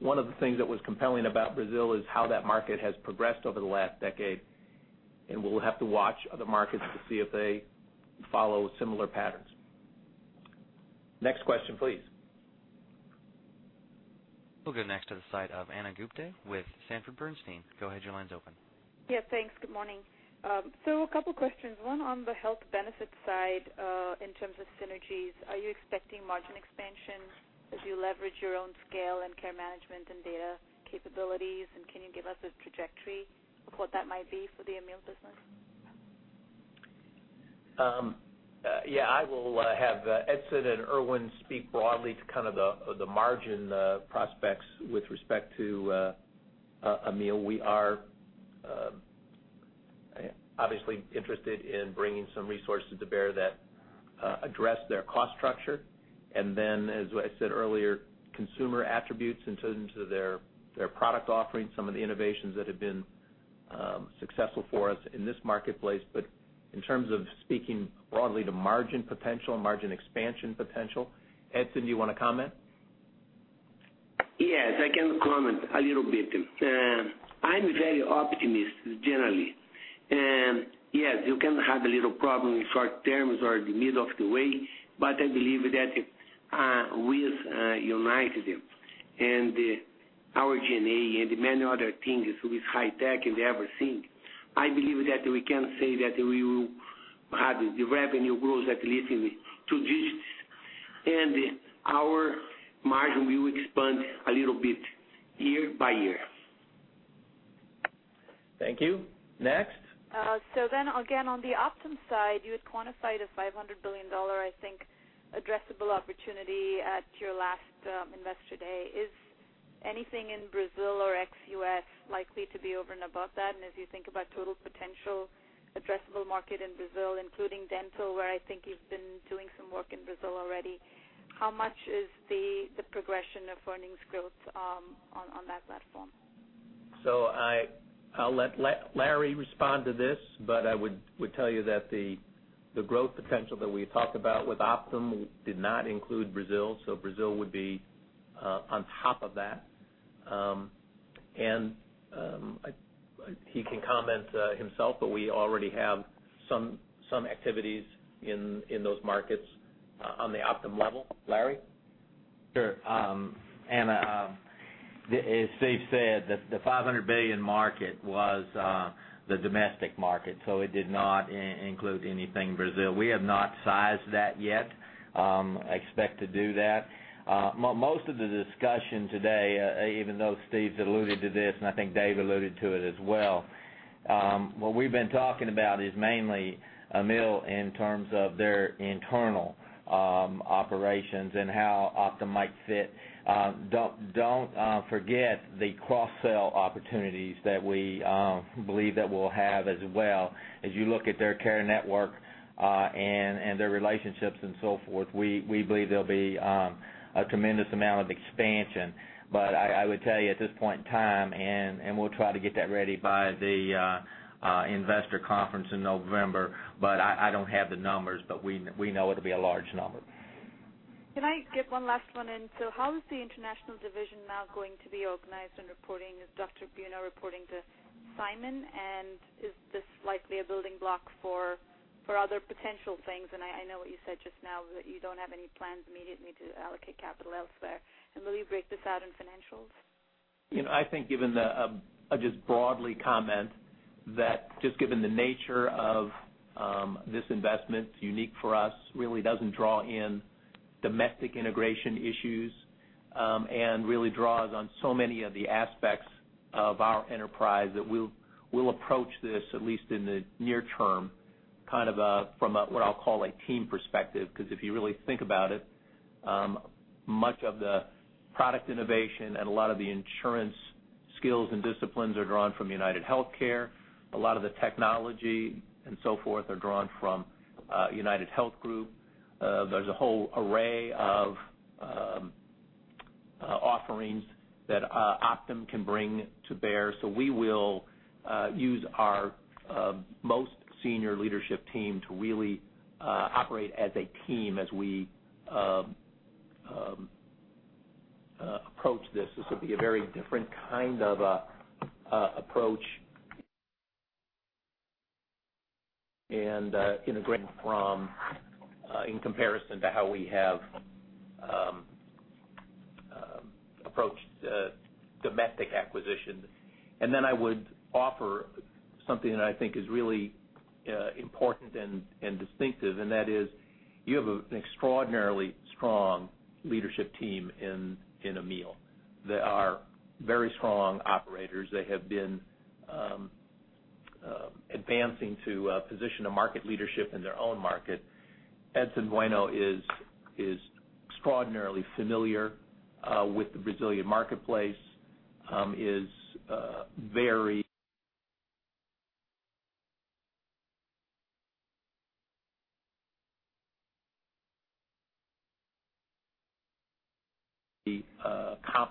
One of the things that was compelling about Brazil is how that market has progressed over the last decade, we'll have to watch other markets to see if they follow similar patterns. Next question, please. We'll go next to the side of Ana Gupte with Sanford C. Bernstein. Go ahead, your line's open. Yes, thanks. Good morning. A couple questions. One on the health benefit side, in terms of synergies, are you expecting margin expansion as you leverage your own scale and care management and data capabilities? Can you give us a trajectory of what that might be for the Amil business? I will have Edson and Erwin speak broadly to the margin prospects with respect to Amil. We are obviously interested in bringing some resources to bear that address their cost structure, and then, as I said earlier, consumer attributes in terms of their product offerings, some of the innovations that have been successful for us in this marketplace. In terms of speaking broadly to margin potential and margin expansion potential, Edson, do you want to comment? I can comment a little bit. I'm very optimistic, generally. You can have a little problem in short terms or the middle of the way, I believe that with United and our G&A and many other things with high tech and everything, I believe that we can say that we will have the revenue growth at least in the 2 digits, and our margin will expand a little bit year by year. Thank you. Next. On the Optum side, you had quantified a $500 billion, I think, addressable opportunity at your last Investor Day. Is anything in Brazil or ex-U.S. likely to be over and above that? As you think about total potential addressable market in Brazil, including dental, where I think you've been doing some work in Brazil already, how much is the progression of earnings growth on that platform? I'll let Larry respond to this, I would tell you that the growth potential that we talked about with Optum did not include Brazil would be on top of that. He can comment himself, but we already have some activities in those markets on the Optum level. Larry? Sure. Ana, as Steve said, the $500 billion market was the domestic market. It did not include anything Brazil. We have not sized that yet. Expect to do that. Most of the discussion today, even though Steve's alluded to this, I think Dave alluded to it as well, what we've been talking about is mainly Amil in terms of their internal operations and how Optum might fit. Don't forget the cross-sell opportunities that we believe that we'll have as well. You look at their care network, their relationships and so forth, we believe there'll be a tremendous amount of expansion. I would tell you at this point in time, we'll try to get that ready by the investor conference in November, I don't have the numbers, we know it'll be a large number. Can I get one last one in? How is the international division now going to be organized in reporting? Is Dr. Bueno reporting to Simon? Is this likely a building block for other potential things? I know what you said just now, that you don't have any plans immediately to allocate capital elsewhere. Will you break this out in financials? I'll just broadly comment that given the nature of this investment, unique for us, really doesn't draw in domestic integration issues, really draws on so many of the aspects of our enterprise, that we'll approach this, at least in the near term, from what I'll call a team perspective, because if you really think about it, much of the product innovation and a lot of the insurance skills and disciplines are drawn from UnitedHealthcare. A lot of the technology and so forth are drawn from UnitedHealth Group. There's a whole array of offerings that Optum can bring to bear. We will use our most senior leadership team to really operate as a team as we approach this. This will be a very different kind of approach and integrating from, in comparison to how we have approached domestic acquisitions. I would offer something that I think is really important and distinctive, and that is, you have an extraordinarily strong leadership team in Amil. They are very strong operators. They have been advancing to a position of market leadership in their own market. Edson Bueno is extraordinarily familiar with the Brazilian marketplace, is very adept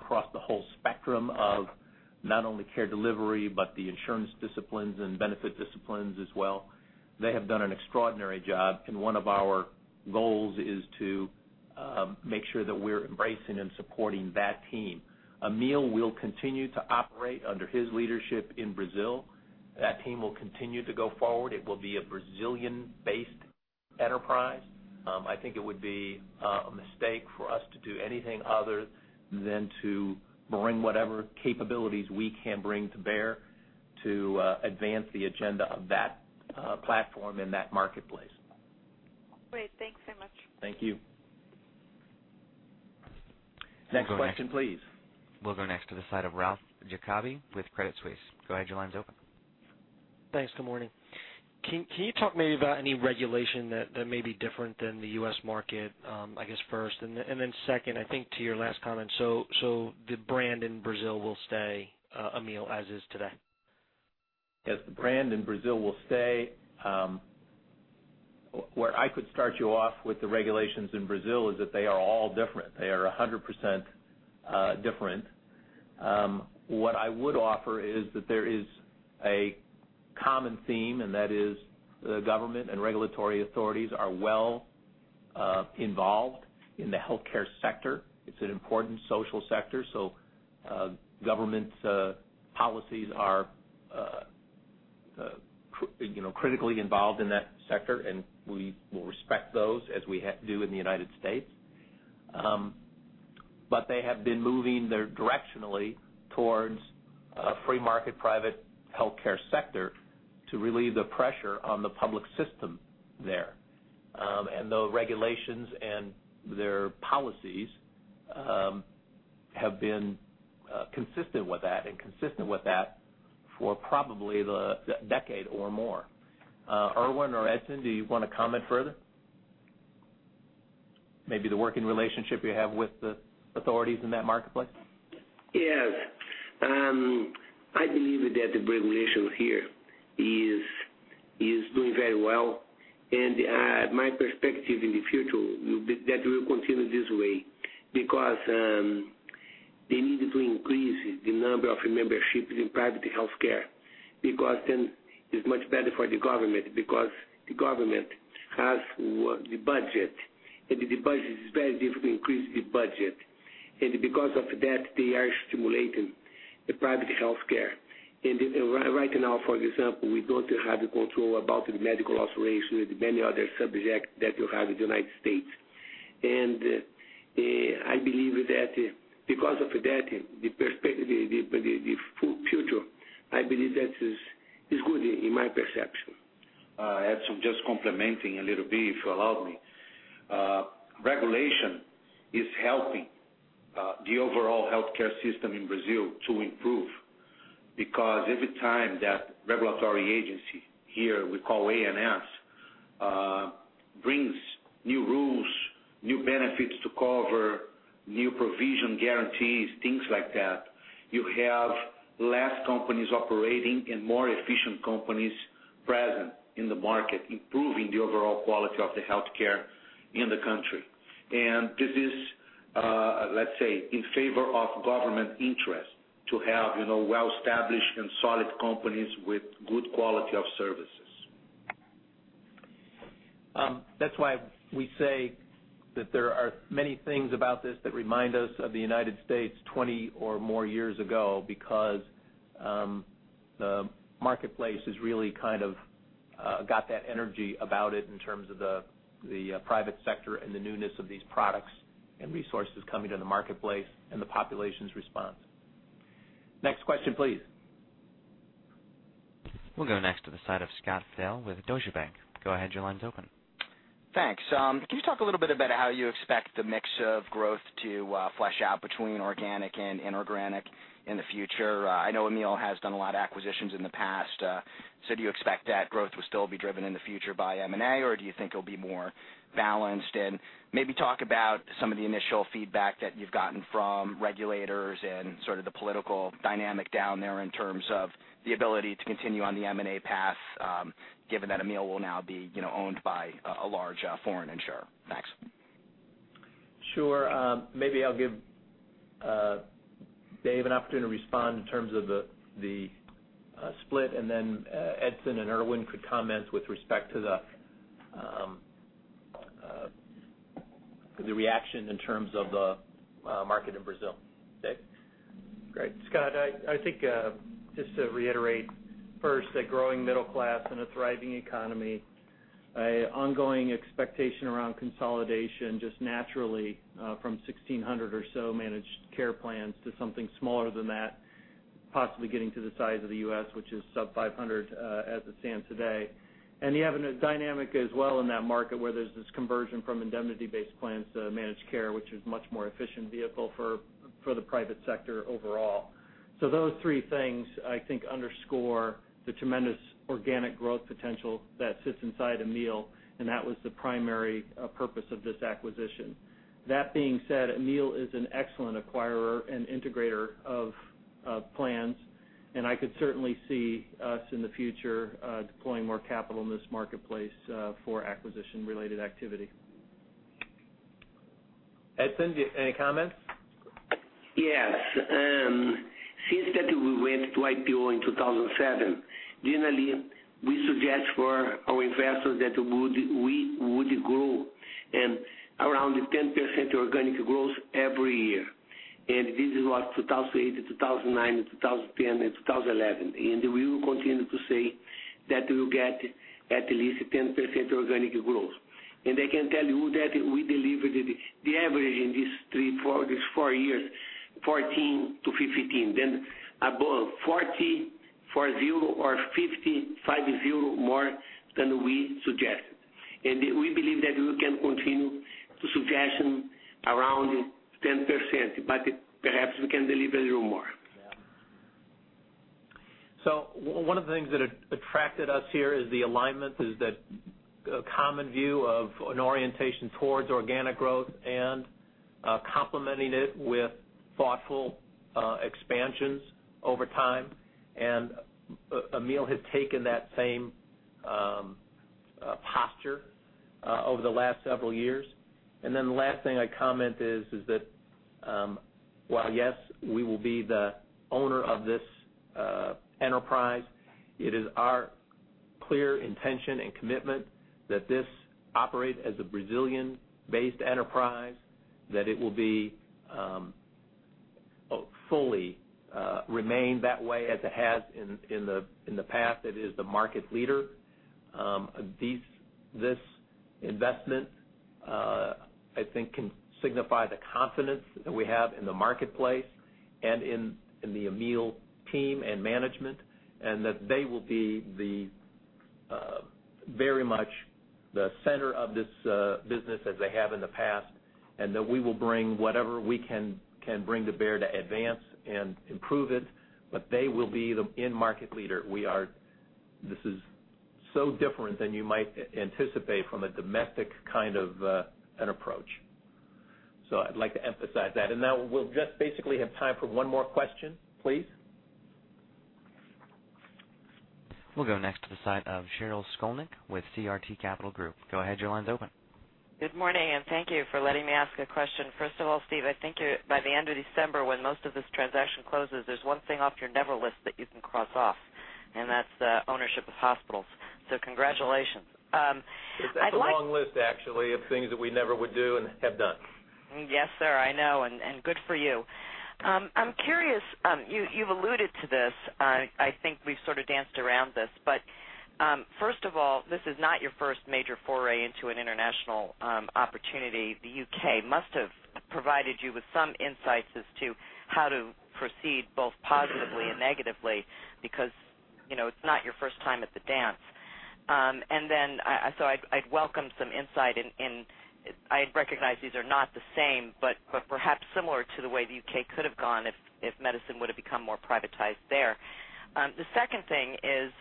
across the whole spectrum of not only care delivery, but the insurance disciplines and benefit disciplines as well. They have done an extraordinary job, and one of our goals is to make sure that we're embracing and supporting that team. Amil will continue to operate under his leadership in Brazil. That team will continue to go forward. It will be a Brazilian-based enterprise. I think it would be a mistake for us to do anything other than to bring whatever capabilities we can bring to bear to advance the agenda of that platform in that marketplace. Great. Thanks so much. Thank you. Next question, please. We'll go next. We'll go next to the side of Ralph Giacobbe with Credit Suisse. Go ahead, your line's open. Thanks. Good morning. Can you talk maybe about any regulation that may be different than the U.S. market, I guess, first? Second, I think to your last comment, the brand in Brazil will stay, Amil, as is today? Yes, the brand in Brazil will stay. Where I could start you off with the regulations in Brazil is that they are all different. They are 100% different. That is the government and regulatory authorities are well involved in the healthcare sector. It's an important social sector, government policies are critically involved in that sector, and we will respect those as we do in the U.S. They have been moving directionally towards a free market private healthcare sector to relieve the pressure on the public system there. The regulations and their policies have been consistent with that and consistent with that for probably a decade or more. Erwin or Edson, do you want to comment further? Maybe the working relationship you have with the authorities in that marketplace? Yes. I believe that the regulation here is doing very well. My perspective in the future, that will continue this way because they needed to increase the number of memberships in private healthcare because then it's much better for the government because the government has the budget and it is very difficult to increase the budget. Because of that, they are stimulating the private healthcare. Right now, for example, we don't have control about the medical operation and many other subjects that you have in the U.S. I believe that because of that, the perspective for the future, I believe that is good in my perception. Edson, just complementing a little bit, if you allow me. Regulation is helping the overall healthcare system in Brazil to improve because every time that regulatory agency here we call ANS brings new rules, new benefits to cover, new provision guarantees, things like that, you have less companies operating and more efficient companies present in the market improving the overall quality of the healthcare in the country. This is, let's say, in favor of government interest to have well-established and solid companies with good quality of services. That's why we say that there are many things about this that remind us of the United States 20 or more years ago because the marketplace has really kind of got that energy about it in terms of the private sector and the newness of these products and resources coming to the marketplace and the population's response. Next question, please. We'll go next to the side of Scott Fidel with Deutsche Bank. Go ahead, your line's open. Thanks. Can you talk a little bit about how you expect the mix of growth to flesh out between organic and inorganic in the future? I know Amil has done a lot of acquisitions in the past. Do you expect that growth will still be driven in the future by M&A, or do you think it'll be more balanced? Maybe talk about some of the initial feedback that you've gotten from regulators and sort of the political dynamic down there in terms of the ability to continue on the M&A path, given that Amil will now be owned by a large foreign insurer. Thanks. Sure. Maybe I'll give Dave an opportunity to respond in terms of the split, then Edson and Erwin could comment with respect to the reaction in terms of the market in Brazil. Dave? Great. Scott, I think just to reiterate first, a growing middle class and a thriving economy, an ongoing expectation around consolidation just naturally from 1,600 or so managed care plans to something smaller than that, possibly getting to the size of the U.S., which is sub 500 as it stands today. You have a dynamic as well in that market where there's this conversion from indemnity-based plans to managed care, which is much more efficient vehicle for the private sector overall. Those three things I think underscore the tremendous organic growth potential that sits inside Amil, that was the primary purpose of this acquisition. That being said, Amil is an excellent acquirer and integrator of plans. I could certainly see us in the future deploying more capital in this marketplace for acquisition-related activity. Edson, any comments? Yes. Since that we went to IPO in 2007, generally, we suggest for our investors that we would grow around 10% organic growth every year. This is what, 2008, 2009, 2010, and 2011. We will continue to say that we will get at least 10% organic growth. I can tell you that we delivered the average in these four years, 14%-15%, then above 40%, 4-0, or 50, 5-0 more than we suggested. We believe that we can continue to suggest around 10%, perhaps we can deliver a little more. Yeah. One of the things that attracted us here is the alignment, is that a common view of an orientation towards organic growth and complementing it with thoughtful expansions over time. Amil has taken that same posture over the last several years. The last thing I comment is that while yes, we will be the owner of this enterprise, it is our clear intention and commitment that this operate as a Brazilian-based enterprise, that it will be fully remain that way as it has in the past. It is the market leader. This investment, I think can signify the confidence that we have in the marketplace and in the Amil team and management, that they will be very much the center of this business as they have in the past, that we will bring whatever we can bring to bear to advance and improve it, they will be the end market leader. This is so different than you might anticipate from a domestic kind of an approach. I'd like to emphasize that. Now we'll just basically have time for one more question, please. We'll go next to the side of Sheryl Skolnick with CRT Capital Group. Go ahead, your line's open. Good morning, thank you for letting me ask a question. First of all, Steve, I think by the end of December, when most of this transaction closes, there's one thing off your never list that you can cross off, that's the ownership of hospitals. Congratulations. It's a long list, actually, of things that we never would do and have done. Yes, sir. I know, and good for you. I'm curious, you've alluded to this, I think we've sort of danced around this, but first of all, this is not your first major foray into an international opportunity. The U.K. must have provided you with some insights as to how to proceed both positively and negatively, because it's not your first time at the dance. I'd welcome some insight in, I recognize these are not the same, but perhaps similar to the way the U.K. could have gone if medicine would have become more privatized there. The second thing is,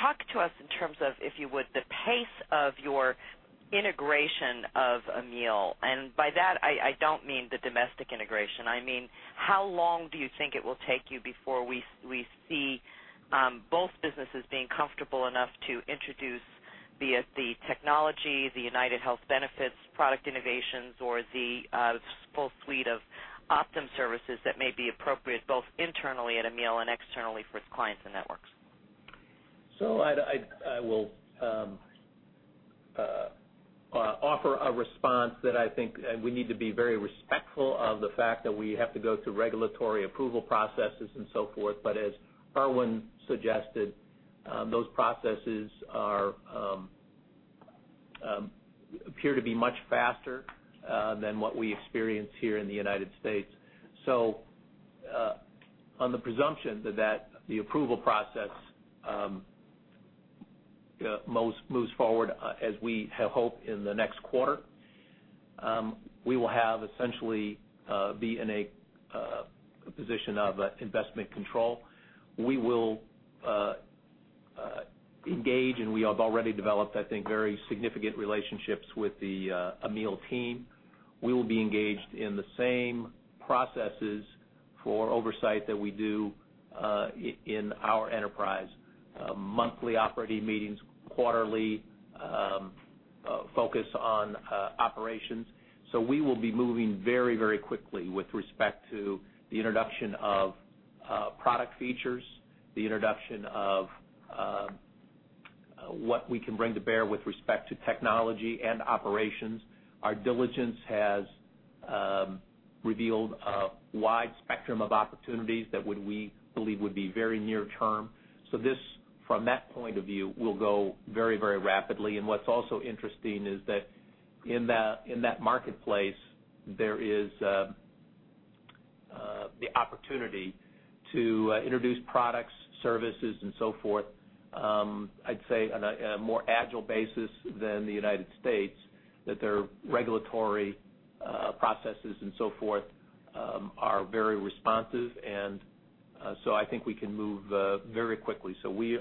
talk to us in terms of, if you would, the pace of your integration of Amil. By that, I don't mean the domestic integration. I mean, how long do you think it will take you before we see both businesses being comfortable enough to introduce be it the technology, the UnitedHealth benefits, product innovations, or the full suite of Optum services that may be appropriate, both internally at Amil and externally for its clients and networks? I will offer a response that I think we need to be very respectful of the fact that we have to go through regulatory approval processes and so forth. As Erwin suggested, those processes appear to be much faster than what we experience here in the United States. On the presumption that the approval process moves forward as we have hoped in the next quarter, we will have essentially be in a position of investment control. We will engage, and we have already developed, I think, very significant relationships with the Amil team. We will be engaged in the same processes for oversight that we do in our enterprise. Monthly operating meetings, quarterly focus on operations. We will be moving very quickly with respect to the introduction of product features, the introduction of what we can bring to bear with respect to technology and operations. Our diligence has revealed a wide spectrum of opportunities that would, we believe, be very near term. This, from that point of view, will go very rapidly. What's also interesting is that in that marketplace, there is the opportunity to introduce products, services, and so forth, I'd say on a more agile basis than the U.S., that their regulatory processes and so forth are very responsive, I think we can move very quickly. We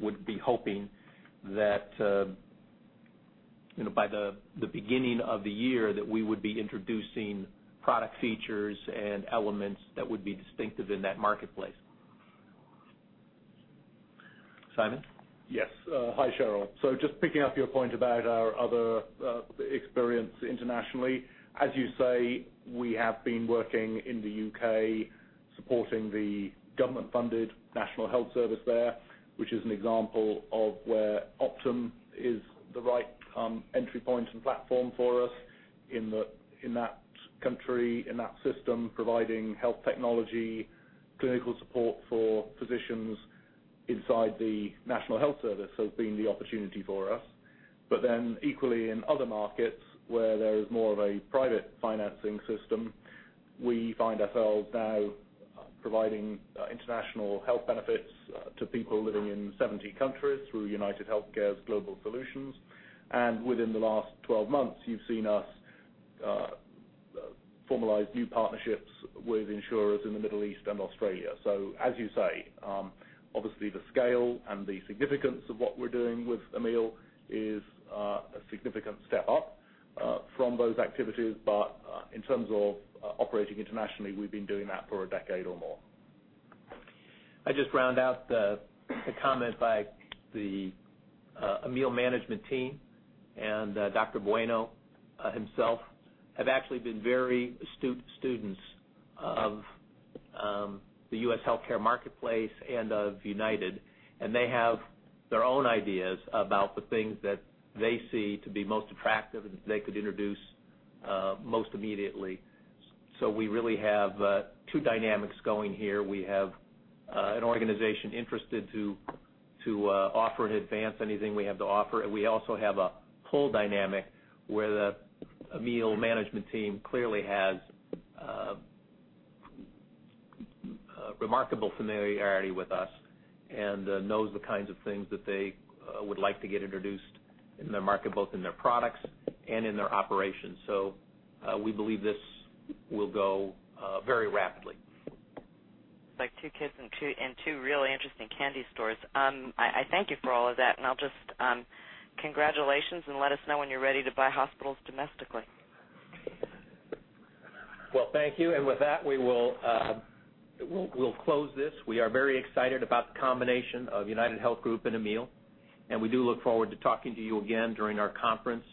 would be hoping that by the beginning of the year that we would be introducing product features and elements that would be distinctive in that marketplace. Simon? Yes. Hi, Sheryl. Just picking up your point about our other experience internationally, as you say, we have been working in the U.K. supporting the government-funded National Health Service there, which is an example of where Optum is the right entry point and platform for us in that country, in that system, providing health technology, clinical support for physicians inside the National Health Service has been the opportunity for us. Equally in other markets where there is more of a private financing system, we find ourselves now providing international health benefits to people living in 70 countries through UnitedHealthcare Global Solutions. Within the last 12 months, you've seen us formalize new partnerships with insurers in the Middle East and Australia. As you say, obviously the scale and the significance of what we're doing with Amil is a significant step up from those activities. In terms of operating internationally, we've been doing that for a decade or more. I just round out the comment by the Amil management team and Dr. Bueno himself have actually been very astute students of the U.S. healthcare marketplace and of United. They have their own ideas about the things that they see to be most attractive and they could introduce most immediately. We really have two dynamics going here. We have an organization interested to offer in advance anything we have to offer. We also have a pull dynamic where the Amil management team clearly has remarkable familiarity with us and knows the kinds of things that they would like to get introduced in their market, both in their products and in their operations. We believe this will go very rapidly. Like two kids in two really interesting candy stores. I thank you for all of that, and congratulations and let us know when you're ready to buy hospitals domestically. Well, thank you. With that, we'll close this. We are very excited about the combination of UnitedHealth Group and Amil, and we do look forward to talking to you again during our conference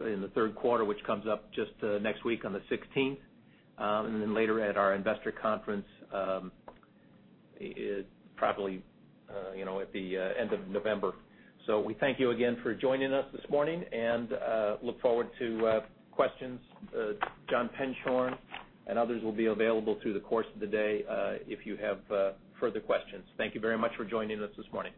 in the third quarter, which comes up just next week on the 16th. Later at our investor conference, probably at the end of November. We thank you again for joining us this morning and look forward to questions. John Penshorn and others will be available through the course of the day if you have further questions. Thank you very much for joining us this morning.